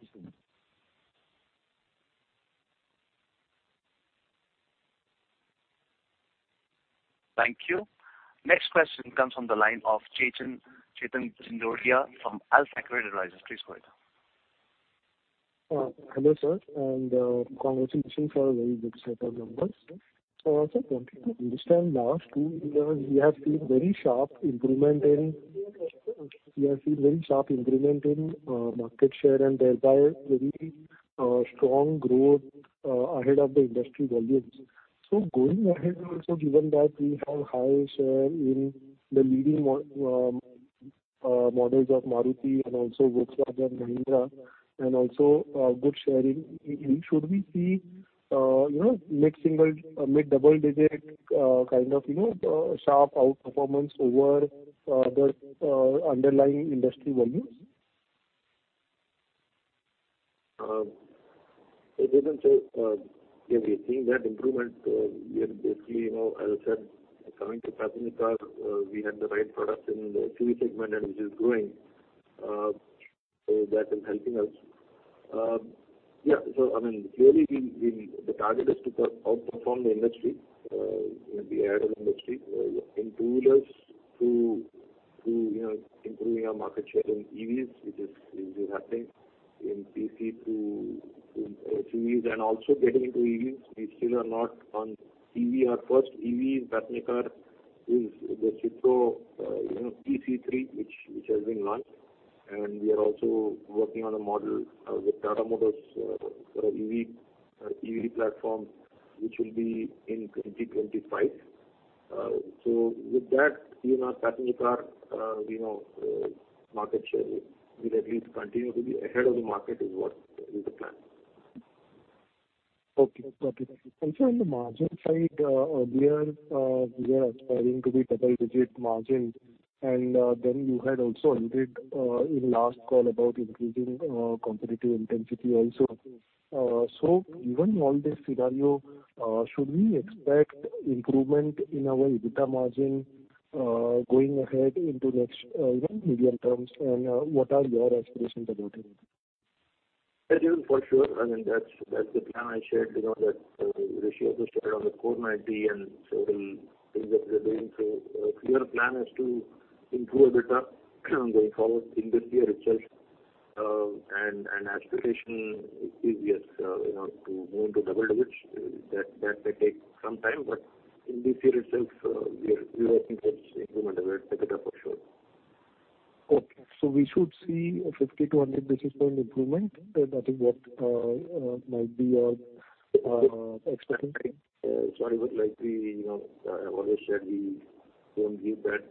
[SPEAKER 1] Thank you. Next question comes from the line of Chetan, Chetan Sindoria from ALFA Credit Registries. Please go ahead.
[SPEAKER 6] Hello, sir, and congratulations for a very good set of numbers. So I want to understand, last two years, we have seen very sharp improvement in market share and thereby very strong growth ahead of the industry volumes. So going ahead, also, given that we have high share in the leading models of Maruti and also Volkswagen, Mahindra, and also good share in—should we see, you know, mid-single, mid-double digit kind of, you know, sharp outperformance over the underlying industry volumes?
[SPEAKER 2] It doesn't say, yeah, we have seen that improvement. We have basically, you know, as I said, coming to passenger car, we had the right products in the three segment, and which is growing, so that is helping us. Yeah, so I mean, clearly, we the target is to outperform the industry, you know, be ahead of the industry. In two-wheelers, through, you know, improving our market share in EVs, which is happening. In PC to three wheels and also getting into EVs, we still are not on EV. Our first EV in passenger car is the Citroën, you know, C3, which has been launched. And we are also working on a model with Tata Motors for EV platform, which will be in 2025. With that, you know, passenger car, you know, market share will at least continue to be ahead of the market, is what the plan is.
[SPEAKER 6] Okay, okay. So on the margin side, earlier, we are aspiring to be double-digit margins. Then you had also hinted in last call about increasing competitive intensity also. So given all this scenario, should we expect improvement in our EBITDA margin? Going ahead into the next, you know, medium terms, and what are your aspirations about it?
[SPEAKER 2] Again, for sure, I mean, that's the plan I shared, you know, that ratio just shared on the core 90. And so we think that we're doing so. Clear plan is to improve it up going forward in this year itself. And aspiration is, yes, you know, to move into double digits. That may take some time, but in this year itself, we are looking at improvement over it, for sure.
[SPEAKER 6] Okay. So we should see a 50-100 basis point improvement. That is what might be our expecting?
[SPEAKER 2] So, you know, I've always said we don't give that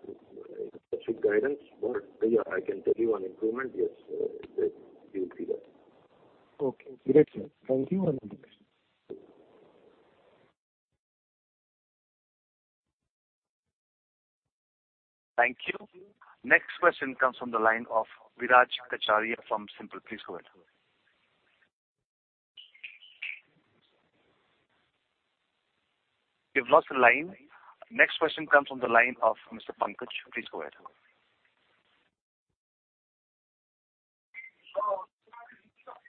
[SPEAKER 2] specific guidance, but yeah, I can tell you on improvement. Yes, you'll see that.
[SPEAKER 6] Okay. Great, sir. Thank you and good day.
[SPEAKER 1] Thank you. Next question comes from the line of Viraj Kacharia from SiMPL. Please go ahead. We've lost the line. Next question comes from the line of Mr. Pankaj. Please go ahead.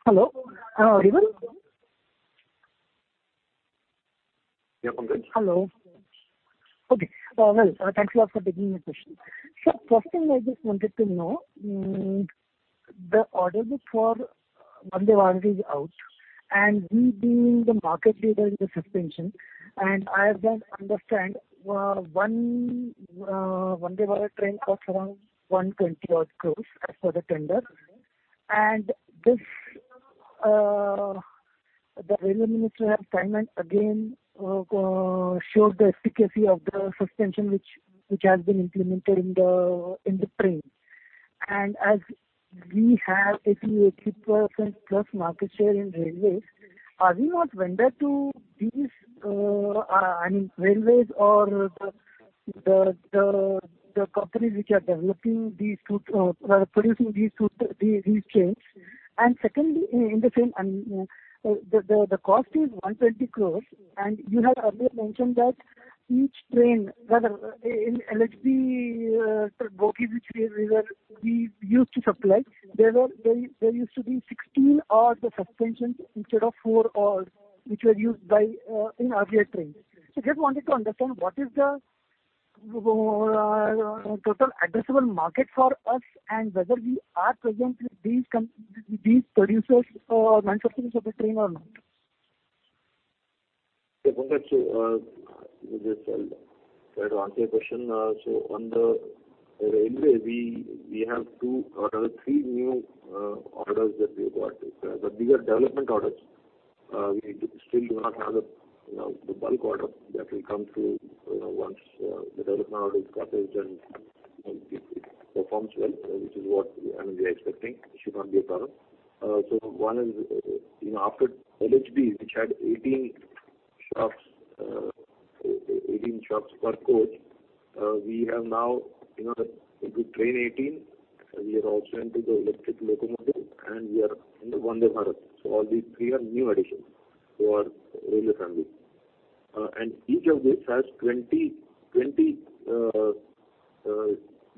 [SPEAKER 7] Hello, even?
[SPEAKER 2] Yeah, Pankaj.
[SPEAKER 7] Hello. Okay. Well, thanks a lot for taking my question. So first thing I just wanted to know, the order book for Vande Bharat is out, and we being the market leader in the suspension. And as I understand, one Vande Bharat train costs around 120-odd crore INR as per the tender. And this, the railway minister has time and again showed the efficacy of the suspension, which has been implemented in the train. And as we have 80%+ market share in railways, are we not vendor to these, I mean, railways or the companies which are developing these too, producing these trains? And secondly, in the same, the cost is 120 crore, and you have earlier mentioned that each train, rather, in LHB bogies, which we used to supply, there used to be 16-odd suspensions instead of 4-odd, which were used in earlier trains. So just wanted to understand what is the total addressable market for us and whether we are present with these producers or manufacturers of the train or not?
[SPEAKER 2] Yeah, Pankaj. So, just, try to answer your question. So on the railway, we have two or three new orders that we have got. But these are development orders. We still do not have a, you know, the bulk order that will come through, you know, once, the development order is completed and it performs well, which is what, I mean, we are expecting. It should not be a problem. So one is, you know, after LHB, which had 18 shops, 18 shops per coach, we have now, you know, the Train 18, we have also entered the electric locomotive, and we are in the Vande Bharat. So all these three are new additions for railway family. And each of these has 20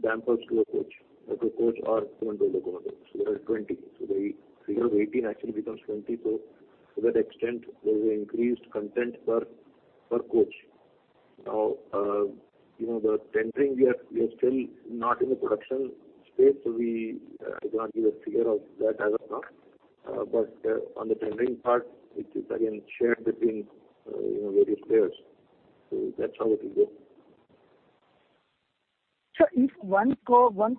[SPEAKER 2] dampers to a coach, like a coach or Vande Bharat. So there are 20. So the figure of 18 actually becomes 20. So to that extent, there is an increased content per coach. Now, you know, the tendering, we are, we are still not in the production space, so we, I cannot give a figure of that as of now. But, on the tendering part, it is again shared between, you know, various players. So that's how it will go.
[SPEAKER 7] Sir, if 1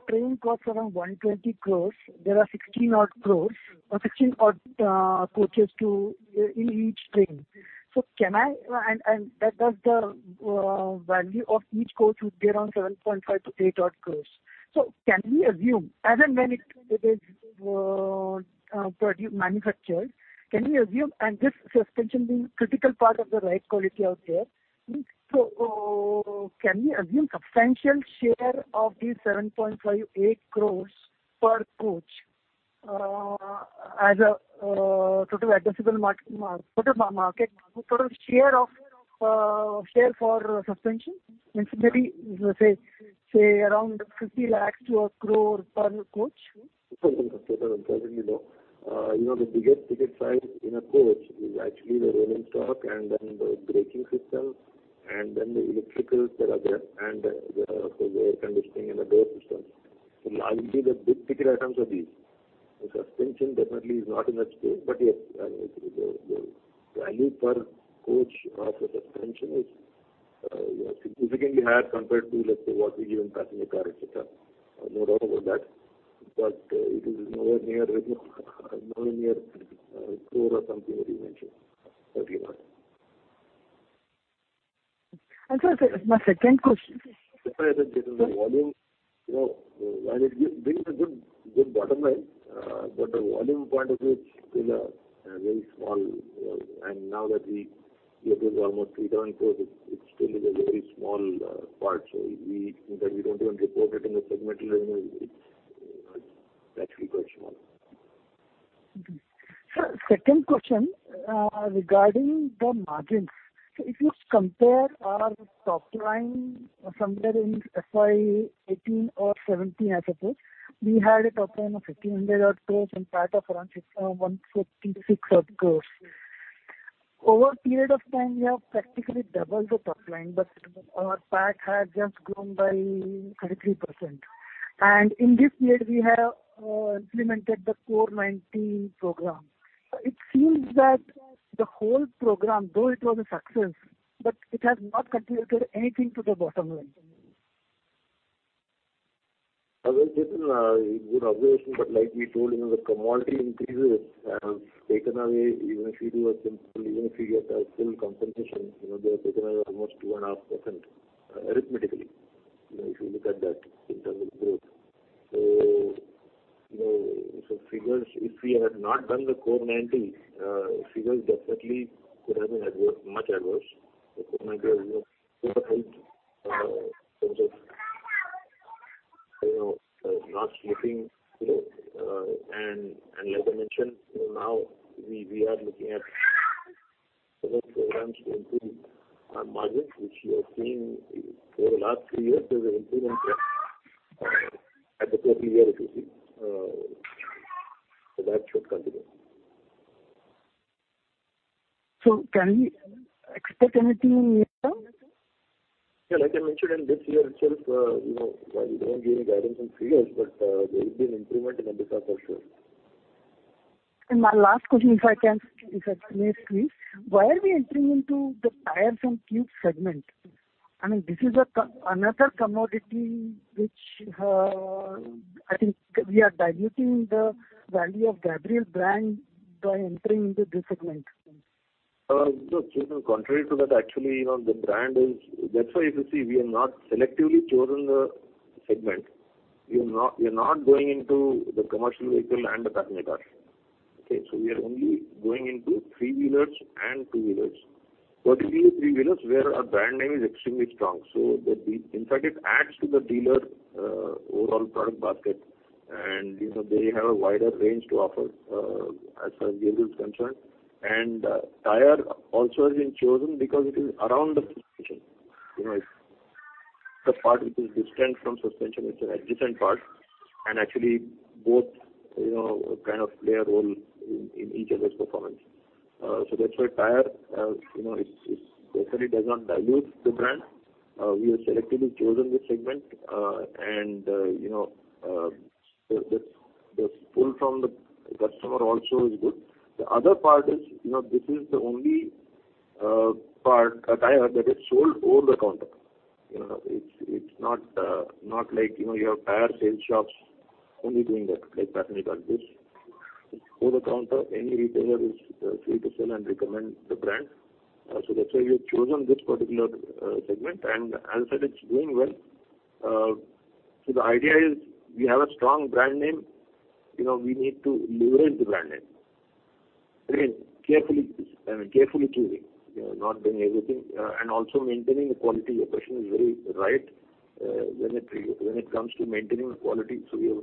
[SPEAKER 7] train costs around 120 crore, there are 16-odd coaches in each train. So can I and that, does the value of each coach be around 7.5 crore to 8 crore. So can we assume, and then when it is produced, manufactured, can we assume, and this suspension being critical part of the ride quality out there, so can we assume substantial share of the 7.5-8 crore per coach as a total addressable market, total share for suspension? Incidentally, say around INR 50 lakh-INR 1 crore per coach.
[SPEAKER 2] Unfortunately, no. You know, the biggest ticket size in a coach is actually the rolling stock and then the braking system, and then the electricals that are there, and the air conditioning and the door systems. So largely, the big ticket items are these. The suspension definitely is not in that scale, but yes, the value per coach of the suspension is significantly higher compared to, let's say, what we give in passenger car, etc. No doubt about that, but it is nowhere near, nowhere near INR 1 crore or something that you mentioned, INR 30 lakh.
[SPEAKER 7] Sir, my second question-
[SPEAKER 2] Sorry, the volume, you know, while it brings a good bottom line, but the volume point of view, it's still a very small, you know. And now that we are doing almost 3,000 coaches, it's still is a very small part. So we don't even report it in the segment level. It's actually quite small.
[SPEAKER 7] Sir, second question, regarding the margins. So if you compare our top line somewhere in FY 2018 or 2017, I suppose, we had a top line of 1,500 odd crores and PAT of around 156 crores. Over a period of time, we have practically doubled the top line, but our PAT has just grown by 33%. And in this period, we have implemented the Core 90 program. It seems that the whole program, though it was a success, but it has not contributed anything to the bottom line.
[SPEAKER 2] Well, Viraj, a good observation, but like we told you, the commodity increases have taken away, even if you do a simple, even if you get a full compensation, you know, they have taken away almost 2.5%, arithmetically, you know, if you look at that in terms of growth. So, you know, so figures, if we had not done the Core 90, figures definitely could have been adverse, much adverse. It might be, you know, super high, in terms of, you know, not looking, you know... And, and like I mentioned, you know, now we, we are looking at several programs to improve our margins, which you have seen over the last three years. There's an improvement, at the last three years, if you see, so that should continue.
[SPEAKER 7] So can we expect anything in this term?
[SPEAKER 2] Yeah, like I mentioned, in this year itself, you know, while we don't give any guidance in three years, but there will be an improvement in EBITDA for sure.
[SPEAKER 7] My last question, if I can, if I may, please. Why are we entering into the tires and tubes segment? I mean, this is another commodity which, I think we are diluting the value of Gabriel brand by entering into this segment.
[SPEAKER 2] No, Jiten, contrary to that, actually, you know, the brand is. That's why, if you see, we have not selectively chosen the segment. We are not, we are not going into the commercial vehicle and the passenger car, okay? So we are only going into three-wheelers and two-wheelers. Particularly three-wheelers, where our brand name is extremely strong. So that, in fact, it adds to the dealer overall product basket, and, you know, they have a wider range to offer as far as Gabriel is concerned. And, tire also has been chosen because it is around the suspension. You know, it's the part which is distinct from suspension, it's an adjacent part, and actually both, you know, kind of play a role in each other's performance. So that's why tire, you know, it's definitely does not dilute the brand. We have selectively chosen this segment, and, you know, the pull from the customer also is good. The other part is, you know, this is the only part, a tire that is sold over the counter. You know, it's not like, you know, you have tire sales shops only doing that, like passenger cars is. It's over the counter, any retailer is free to sell and recommend the brand. So that's why we have chosen this particular segment, and as I said, it's doing well. So the idea is, we have a strong brand name, you know, we need to leverage the brand name. Again, carefully, I mean, carefully choosing, not doing everything, and also maintaining the quality. Your question is very right, when it comes to maintaining the quality. We have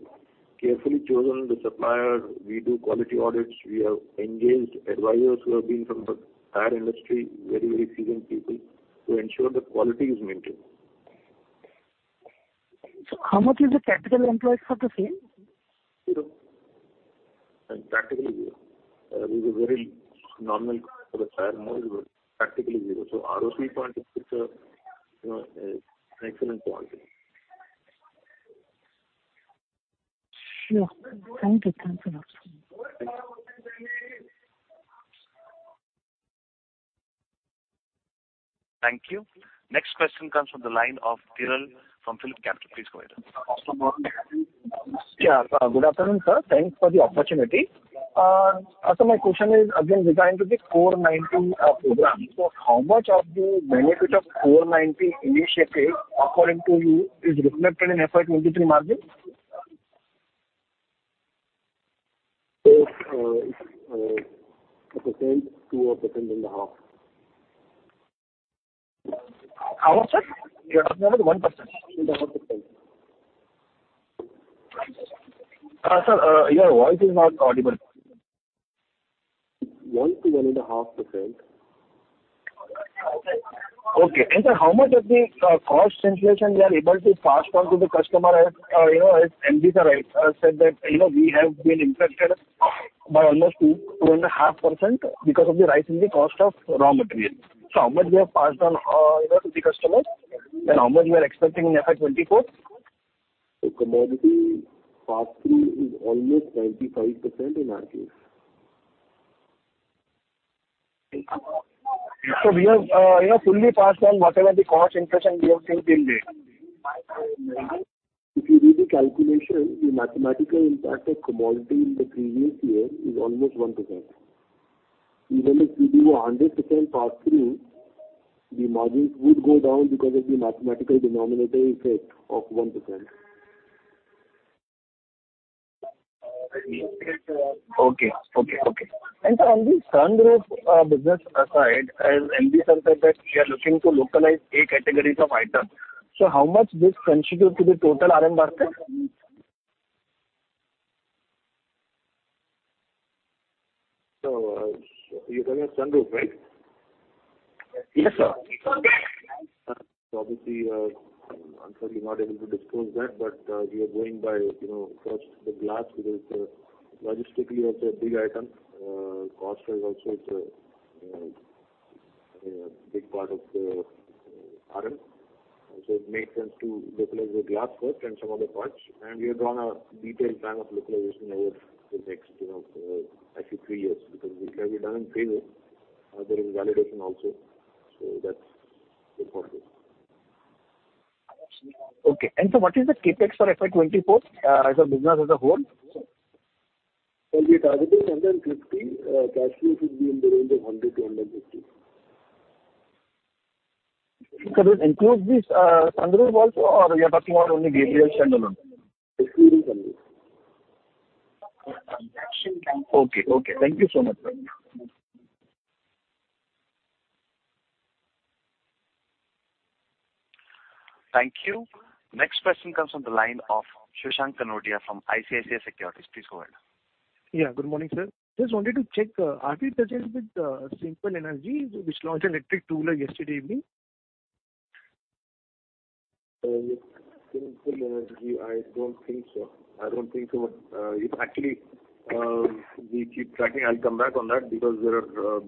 [SPEAKER 2] carefully chosen the supplier. We do quality audits. We have engaged advisors who have been from the tire industry very seasoned people, to ensure that quality is maintained.
[SPEAKER 7] How much is the capital employed for the same?
[SPEAKER 2] Zero. Practically zero. It is a very normal for a tire model, practically zero. So ROC point of view, you know, excellent point.
[SPEAKER 7] Sure. Thank you. Thanks a lot.
[SPEAKER 2] Thank you.
[SPEAKER 1] Thank you. Next question comes from the line of Tiril from PhilipCapital. Please go ahead.
[SPEAKER 8] Yeah, good afternoon, sir. Thanks for the opportunity. So my question is again relating to the Core 90 program. So how much of the benefit of the Core 90 initiative, according to you, is reflected in FY 23 margin?
[SPEAKER 2] It's 1%, 2% or 1.5%.
[SPEAKER 8] How much, sir? You are talking about 1%.
[SPEAKER 2] 1.5%.
[SPEAKER 8] Sir, your voice is not audible.
[SPEAKER 2] 1%-1.5%.
[SPEAKER 8] Okay. Sir, how much of the cost inflation we are able to pass on to the customer? As you know, as MB, sir, said that, you know, we have been impacted by almost 2%-2.5% because of the rise in the cost of raw materials. So how much we have passed on, you know, to the customer, and how much we are expecting in FY 2024?
[SPEAKER 2] The commodity pass-through is almost 95% in our case.
[SPEAKER 8] We have, you know, fully passed on whatever the cost inflation we have seen been there?
[SPEAKER 2] If you do the calculation, the mathematical impact of commodity in the previous year is almost 1%. Even if you do a 100% pass-through, the margins would go down because of the mathematical denominator effect of 1%.
[SPEAKER 8] Okay. And sir, on the sunroof business side, as MB sir said that we are looking to localize a categories of items. So how much this constitute to the total RM basket?
[SPEAKER 2] So, you're talking of sunroof, right?
[SPEAKER 8] Yes, sir.
[SPEAKER 2] Obviously, I'm certainly not able to disclose that, but, we are going by, you know, first the glass, because logistically, it's a big item. Cost is also, it's a, a big part of the RM. So it made sense to localize the glass first and some other parts, and we have drawn a detailed plan of localization over the next, you know, actually three years, because it can be done in phases. There is validation also, so that's important.
[SPEAKER 8] Okay. And so what is the CapEx for FY24 as a business as a whole?
[SPEAKER 2] So we're targeting INR 150 crore, cash flow should be in the range of 100 crore to 150 crore.
[SPEAKER 8] So this includes this, sunroof also, or we are talking about only Gabriel channel only?
[SPEAKER 2] Including sunroof.
[SPEAKER 8] Okay. Thank you so much.
[SPEAKER 1] Thank you. Next question comes from the line of Shashank Kanodia from ICICI Securities. Please go ahead.
[SPEAKER 9] Yeah, good morning, sir. Just wanted to check, are we touching with Simple Energy, which launched an electric two-wheeler yesterday evening?
[SPEAKER 2] Simple Energy, I don't think so. Actually, we keep tracking. I'll come back on that, because there are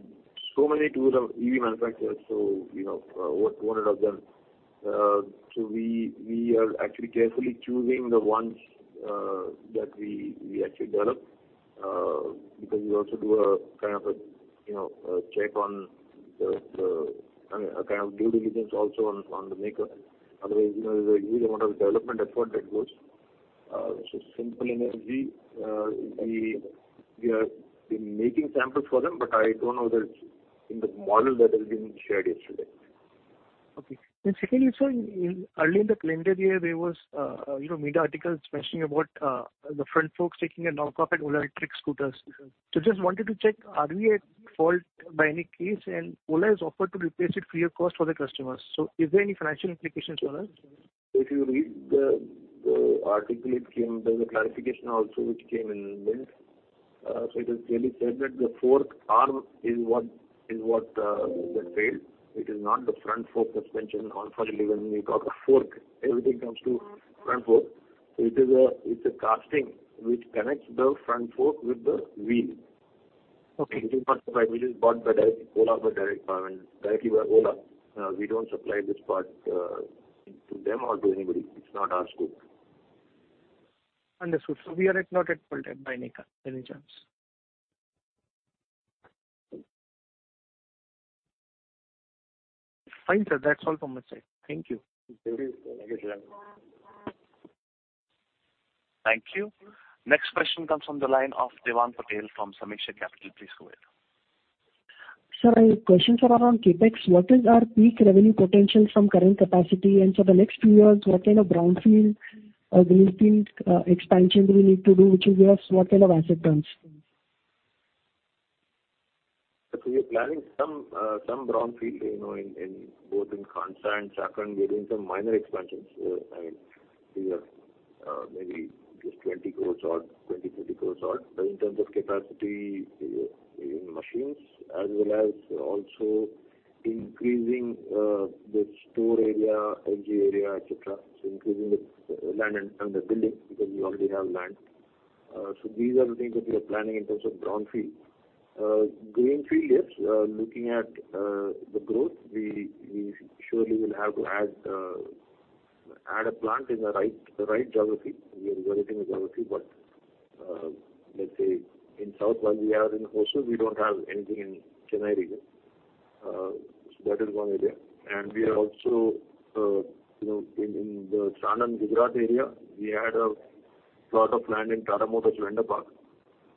[SPEAKER 2] so many two-wheeler EV manufacturers, so, you know, over 200 of them. So we are actually carefully choosing the ones that we actually develop, because we also do a kind of a, you know, a check on the, I mean, a kind of due diligence also on the maker. Otherwise, you know, there's a huge amount of development effort that goes. So Simple Energy, we are making samples for them, but I don't know whether it's in the model that has been shared yesterday.
[SPEAKER 9] Okay. And secondly, sir, in early in the calendar year, there was, you know, media articles mentioning about the Front Forks taking a non-fit Ola Electric scooters. So just wanted to check, are we at fault in any case? And Ola has offered to replace it free of cost for the customers. So is there any financial implications to us?
[SPEAKER 2] If you read the article, it came; there's a clarification also, which came in this. So it is clearly said that the fork arm is what that failed. It is not the front fork suspension. Unfortunately, when we talk of fork, everything comes to front fork. It is a casting which connects the front fork with the wheel.
[SPEAKER 9] Okay.
[SPEAKER 2] It is not supplied, which is bought directly by Ola. We don't supply this part to them or to anybody. It's not our scope.
[SPEAKER 9] Understood. So we are not at fault by any chance. Fine, sir. That's all from my side. Thank you.
[SPEAKER 2] Thank you.
[SPEAKER 1] Thank you. Next question comes from the line of Dewaan Patel from Samiksha Capital. Please go ahead.
[SPEAKER 10] Sir, my questions are around CapEx. What is our peak revenue potential from current capacity? And so the next few years, what kind of brownfield or greenfield expansion do we need to do, which is, yes, what kind of asset turns?
[SPEAKER 2] So we are planning some brownfield, you know, in both in Khandsa and Sachin, we are doing some minor expansions. I mean, these are maybe just 20 crore or 20 crore-30 crore in terms of capacity in machines, as well as also increasing the store area, LG area, etc. So increasing the land and the building, because we already have land. So these are the things that we are planning in terms of brownfield. Greenfield, yes, looking at the growth, we surely will have to add a plant in the right geography. We are evaluating the geography, but let's say in south, while we are in Hosur, we don't have anything in Chennai region. So that is one area. And we are also, you know, in the Sanand Gujarat area, we had a plot of land in Tata Motors Vendor Park.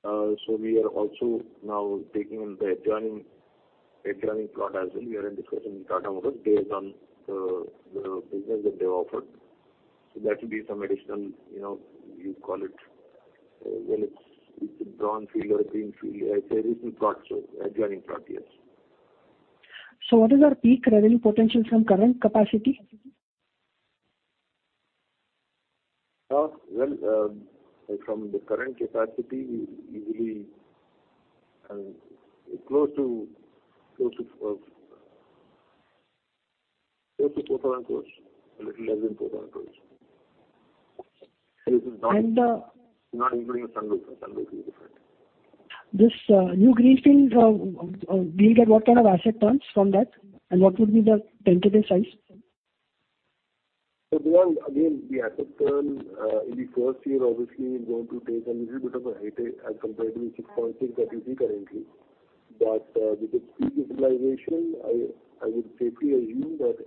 [SPEAKER 2] So we are also now taking the adjoining plot as well. We are in discussion with Tata Motors based on the business that they have offered. So that will be some additional, you know, you call it, well, it's a brownfield or a greenfield. It's an additional plot, so adjoining plot, yes.
[SPEAKER 10] What is our peak revenue potential from current capacity?
[SPEAKER 2] Well, from the current capacity, easily close to 4,000 crore, a little less than 4,000 crore.
[SPEAKER 10] And, uh-
[SPEAKER 2] Not including the sunroof, the sunroof is different.
[SPEAKER 10] This new greenfield, we get what kind of asset turns from that? And what would be the tentative size?
[SPEAKER 2] So again, the asset turn, in the first year, obviously, is going to take a little bit of a hit as compared to the 6.6 that we see currently. But, with the speed utilization, I would safely assume that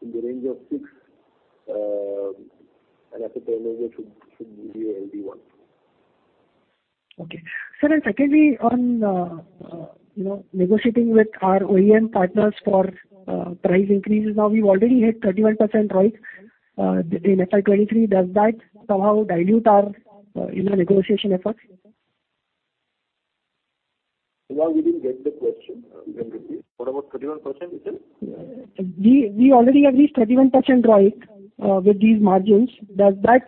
[SPEAKER 2] in the range of 6, asset turnover should be around 1.
[SPEAKER 10] Okay. Sir, and secondly, on, you know, negotiating with our OEM partners for price increases. Now, we've already hit 31% price in FY 2023. Does that somehow dilute our, you know, negotiation efforts?
[SPEAKER 2] So now we didn't get the question, can you repeat? What about 31% you said?
[SPEAKER 10] We already have this 31% ROIC with these margins. Does that,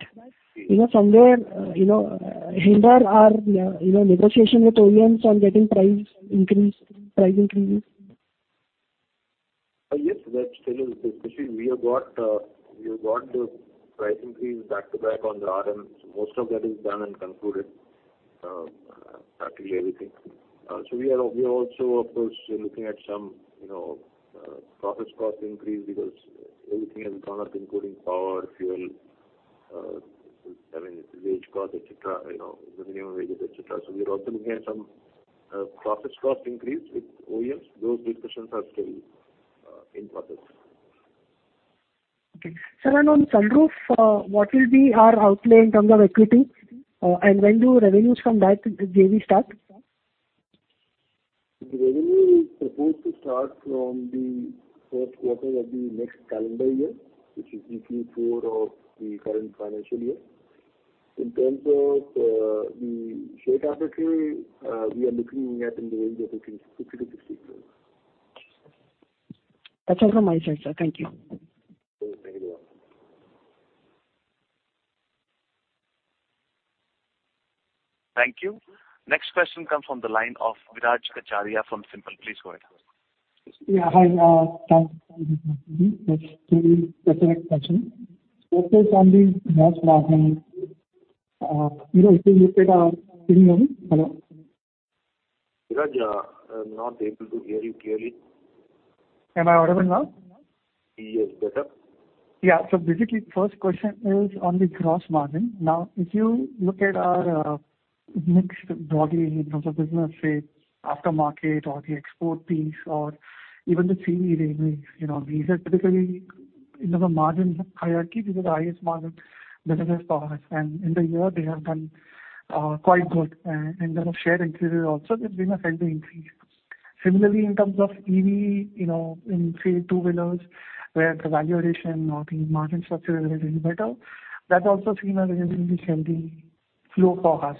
[SPEAKER 10] you know, somewhere, you know, hinder our, you know, negotiation with OEMs on getting, price increases?
[SPEAKER 2] Yes, that's still, especially we have got, we have got the price increase back to back on the RM. So most of that is done and concluded, practically everything. So we are also, of course, looking at some, you know, process cost increase because everything has gone up, including power, fuel, I mean, wage cost, et cetera, you know, the minimum wages, et cetera. So we are also looking at some, process cost increase with OEMs. Those discussions are still, in process.
[SPEAKER 10] Okay. Sir, and on sunroof, what will be our outplay in terms of equity? And when do revenues from that JV start?
[SPEAKER 2] The revenue is supposed to start from the Q1 of the next calendar year, which is Q4 of the current financial year. In terms of the share capital, we are looking at in the range of INR 56 million-INR 60 million.
[SPEAKER 10] That's all from my side, sir. Thank you.
[SPEAKER 2] Okay. Thank you.
[SPEAKER 1] Thank you. Next question comes from the line of Viraj Kacharia from Finpal. Please go ahead.
[SPEAKER 7] Yeah, hi, hello.
[SPEAKER 2] Viraj, I'm not able to hear you clearly.
[SPEAKER 7] Am I audible now?
[SPEAKER 2] Yes, better.
[SPEAKER 7] Yeah. So basically, first question is on the gross margin. Now, if you look at our mix broadly in terms of business, say, aftermarket or the export piece, or even the CE, you know, these are typically in terms of margin hierarchy, these are the highest margin businesses for us, and in the year they have done quite good. And in terms of share increases also, they've been a healthy increase. Similarly, in terms of EV, you know, in, say, two-wheelers, where the value addition or the margin structure is a little better, that's also seen a reasonably healthy flow for us.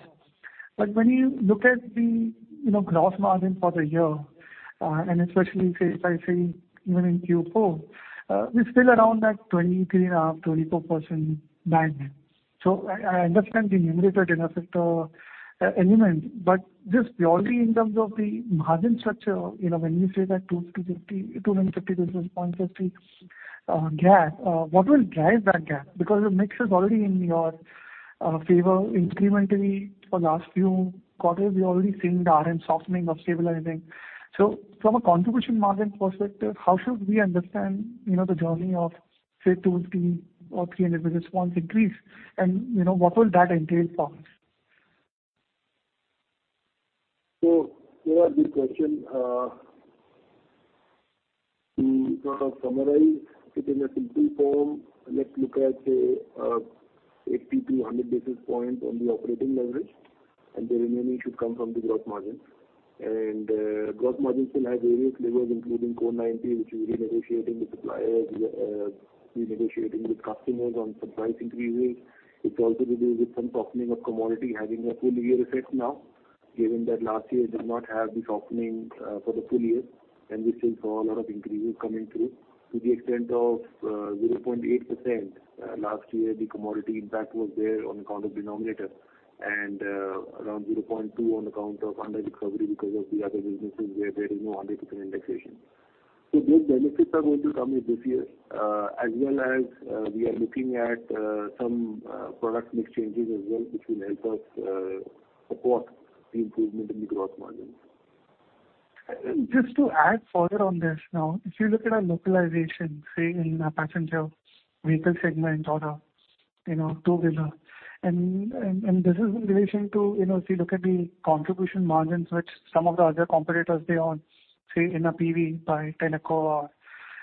[SPEAKER 7] But when you look at the, you know, gross margin for the year, and especially, say, if I say even in Q4, we're still around that 23.5%-24% band. So I understand the numerator denominator, element, but just purely in terms of the margin structure, you know, when you say that 250 basis point 50, gap, what will drive that gap? Because the mix is already in your, favor. Incrementally for last few quarters, we've already seen the RM softening or stabilizing. So from a contribution margin perspective, how should we understand, you know, the journey of, say, 250 basis points or 300 basis points increase? And, you know, what will that entail for us?
[SPEAKER 2] So Viraj, good question. To summarize it in a simple form, let's look at, say, 80 basis points to 100 basis points on the operating leverage, and the remaining should come from the gross margins. Gross margins will have various levers, including Core 90, which is renegotiating the suppliers, renegotiating with customers on some price increases. It's also to do with some softening of commodity having a full year effect now, given that last year did not have the softening for the full year, and we still saw a lot of increases coming through to the extent of 0.8%. Last year, the commodity impact was there on account of denominator and around 0.2 on account of underrecovery because of the other businesses where there is no underrecovery indexation. So those benefits are going to come in this year, as well as we are looking at some product mix changes as well, which will help us support the improvement in the gross margins.
[SPEAKER 7] Just to add further on this now, if you look at our localization, say, in our passenger vehicle segment or, you know, two-wheeler, and this is in relation to, you know, if you look at the contribution margins which some of the other competitors they own, say, in a PV by Tenneco or,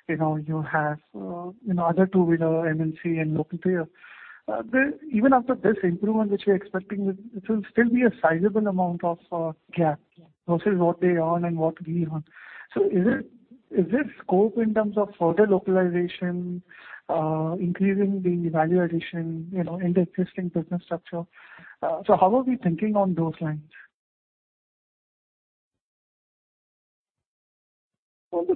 [SPEAKER 7] you know, you have, in other two-wheeler, MNC and local player. Even after this improvement, which we're expecting, it will still be a sizable amount of gap versus what they own and what we own. So is there scope in terms of further localization, increasing the value addition, you know, in the existing business structure? So how are we thinking on those lines?
[SPEAKER 2] On the,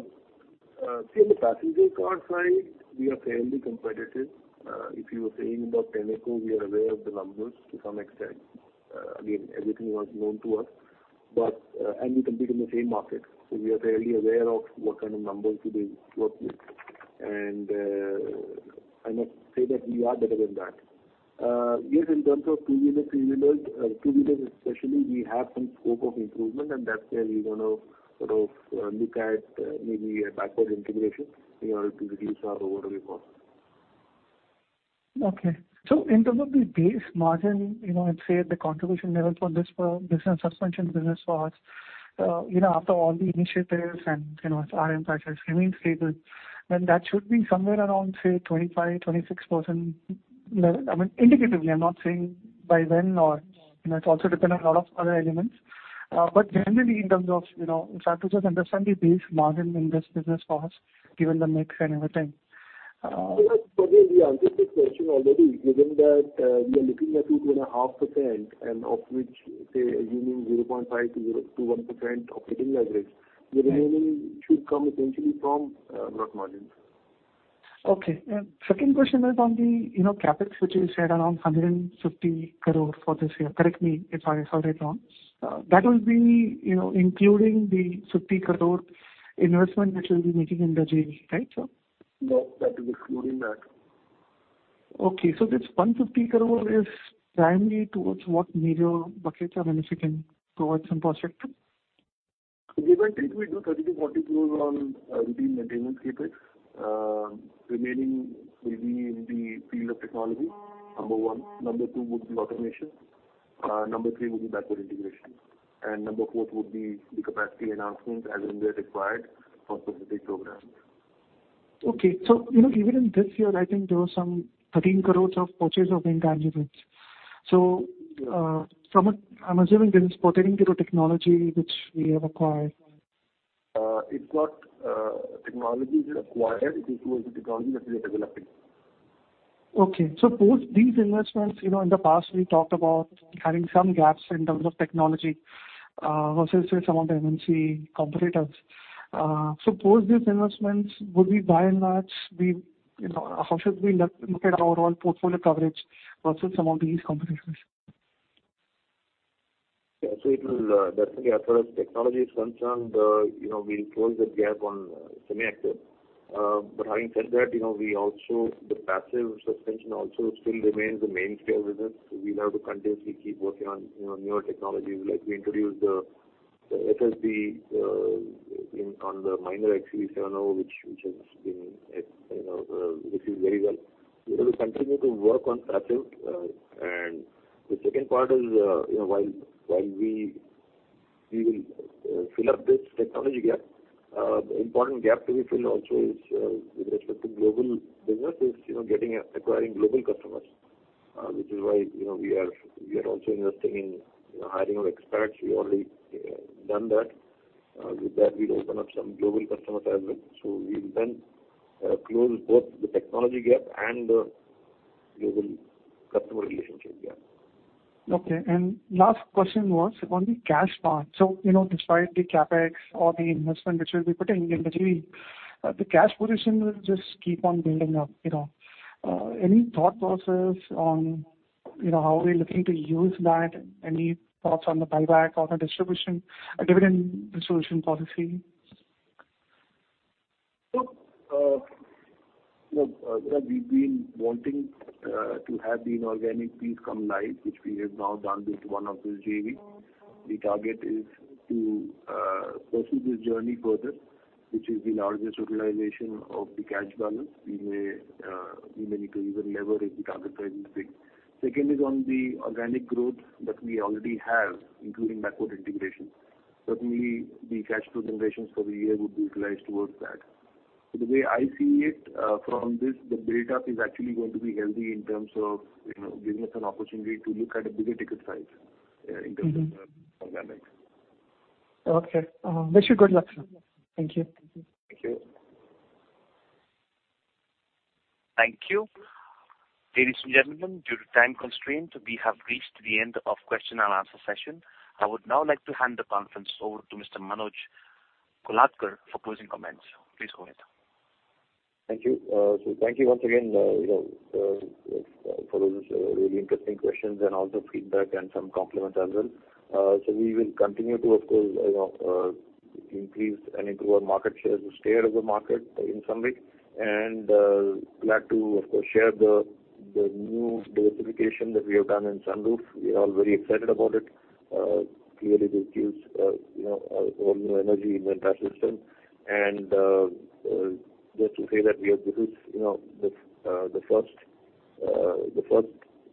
[SPEAKER 2] say, on the passenger car side, we are fairly competitive. If you were saying about Tenneco, we are aware of the numbers to some extent. Again, everything was known to us, but, and we compete in the same market, so we are fairly aware of what kind of numbers do they work with. And, I must say that we are better than that. Yes, in terms of two-wheeler, three-wheelers, two-wheelers especially, we have some scope of improvement, and that's where we're going to sort of, look at, maybe a backward integration in order to reduce our overall cost.
[SPEAKER 7] Okay. So in terms of the base margin, you know, let's say the contribution level for this, business suspension business for us, you know, after all the initiatives and, you know, RM price has remained stable, then that should be somewhere around, say, 25%-26%. I mean, indicatively, I'm not saying by when or... It also depends on a lot of other elements. But generally, in terms of, you know, try to just understand the base margin in this business for us, given the mix and everything.
[SPEAKER 2] We answered this question already, given that, we are looking at 2.5%, and of which, say, assuming 0.5%-1% operating leverage, the remaining should come essentially from gross margins.
[SPEAKER 7] Okay. And second question is on the, you know, CapEx, which you said around 150 crore for this year. Correct me if I said it wrong. That will be, you know, including the 50 crore investment which you'll be making in the JV, right, sir?
[SPEAKER 2] No, that is excluding that.
[SPEAKER 7] Okay, so this 150 crore is primarily towards what major buckets, I mean, if you can provide some perspective?
[SPEAKER 2] Give or take, we do 30 crore-40 crore on routine maintenance CapEx. Remaining will be in the field of technology, number one. Number two would be automation. Number three would be backward integration. And number four would be the capacity enhancements as and when required for specific programs.
[SPEAKER 7] Okay. You know, even in this year, I think there was some 13 crore of purchase of intangibles. I'm assuming this is pertaining to the technology which we have acquired.
[SPEAKER 2] It's what technology we have acquired, as well as the technology that we are developing.
[SPEAKER 7] Okay. So post these investments, you know, in the past, we talked about having some gaps in terms of technology versus some of the MNC competitors. So post these investments, would we by and large be... You know, how should we look at our overall portfolio coverage versus some of these competitors?
[SPEAKER 2] Yeah. So it will definitely, as far as technology is concerned, you know, we'll close the gap on semi-active. But having said that, you know, we also, the passive suspension also still remains the mainstay of business. We'll have to continuously keep working on, you know, newer technologies. Like we introduced the FSD in on the Mahindra XUV700, which has been, you know, received very well. We will continue to work on passive. And the second part is, you know, while we will fill up this technology gap, the important gap to be filled also is, with respect to global business, is, you know, getting and acquiring global customers. Which is why, you know, we are also investing in, you know, hiring of experts. We already done that. With that, we'll open up some global customers as well. So we will then close both the technology gap and the global customer relationship gap.
[SPEAKER 7] Okay. Last question was on the cash part. You know, despite the CapEx or the investment which will be put in the JV, the cash position will just keep on building up, you know. Any thought process on, you know, how we're looking to use that? Any thoughts on the buyback or the distribution, dividend distribution policy?
[SPEAKER 2] Look, we've been wanting to have the inorganic piece come live, which we have now done with one of the JVs. The target is to pursue this journey further, which is the largest utilization of the cash balance. We may need to even lever if the target remains big. Second is on the organic growth that we already have, including backward integration. Certainly, the cash flow generations for the year would be utilized towards that. So the way I see it, from this, the build-up is actually going to be healthy in terms of, you know, giving us an opportunity to look at a bigger ticket size in terms of organics.
[SPEAKER 7] Okay. Wish you good luck, sir. Thank you.
[SPEAKER 2] Thank you.
[SPEAKER 1] Thank you. Ladies and gentlemen, due to time constraint, we have reached the end of Q&A session. I would now like to hand the conference over to Mr. Manoj Kolhatkar for closing comments. Please go ahead.
[SPEAKER 2] Thank you. So thank you once again, you know, for those really interesting questions and also feedback and some compliments as well. So we will continue to, of course, increase and improve our market share, the share of the market in some way. And glad to, of course, share the new diversification that we have done in sunroof. We are all very excited about it. Clearly, this gives, you know, a whole new energy in the entire system. And just to say that this is, you know, the first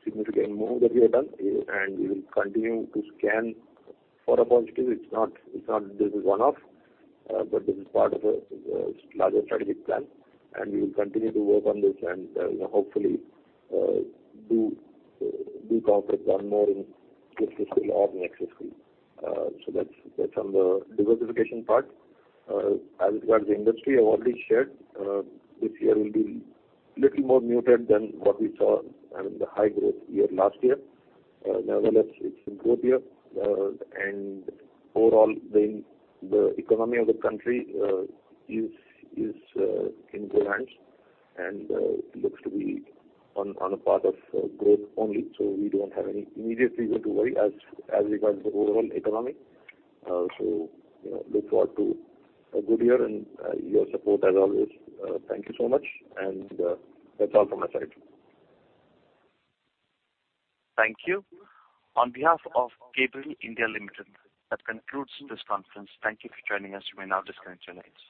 [SPEAKER 2] significant move that we have done, and we will continue to scan for a positive. It's not this is one-off, but this is part of a larger strategic plan, and we will continue to work on this and, hopefully, do conquest one more in this fiscal or next fiscal. So that's, that's on the diversification part. As regards the industry, I've already shared, this year will be little more muted than what we saw and the high growth year, last year. Nevertheless, it's improved year. And overall, the, the economy of the country is in good hands and looks to be on a path of growth only. So we don't have any immediate reason to worry as, as regards the overall economy. So, you know, look forward to a good year and your support as always. Thank you so much, and that's all from my side.
[SPEAKER 1] Thank you. On behalf of Gabriel India Limited, that concludes this conference. Thank you for joining us. You may now disconnect your lines.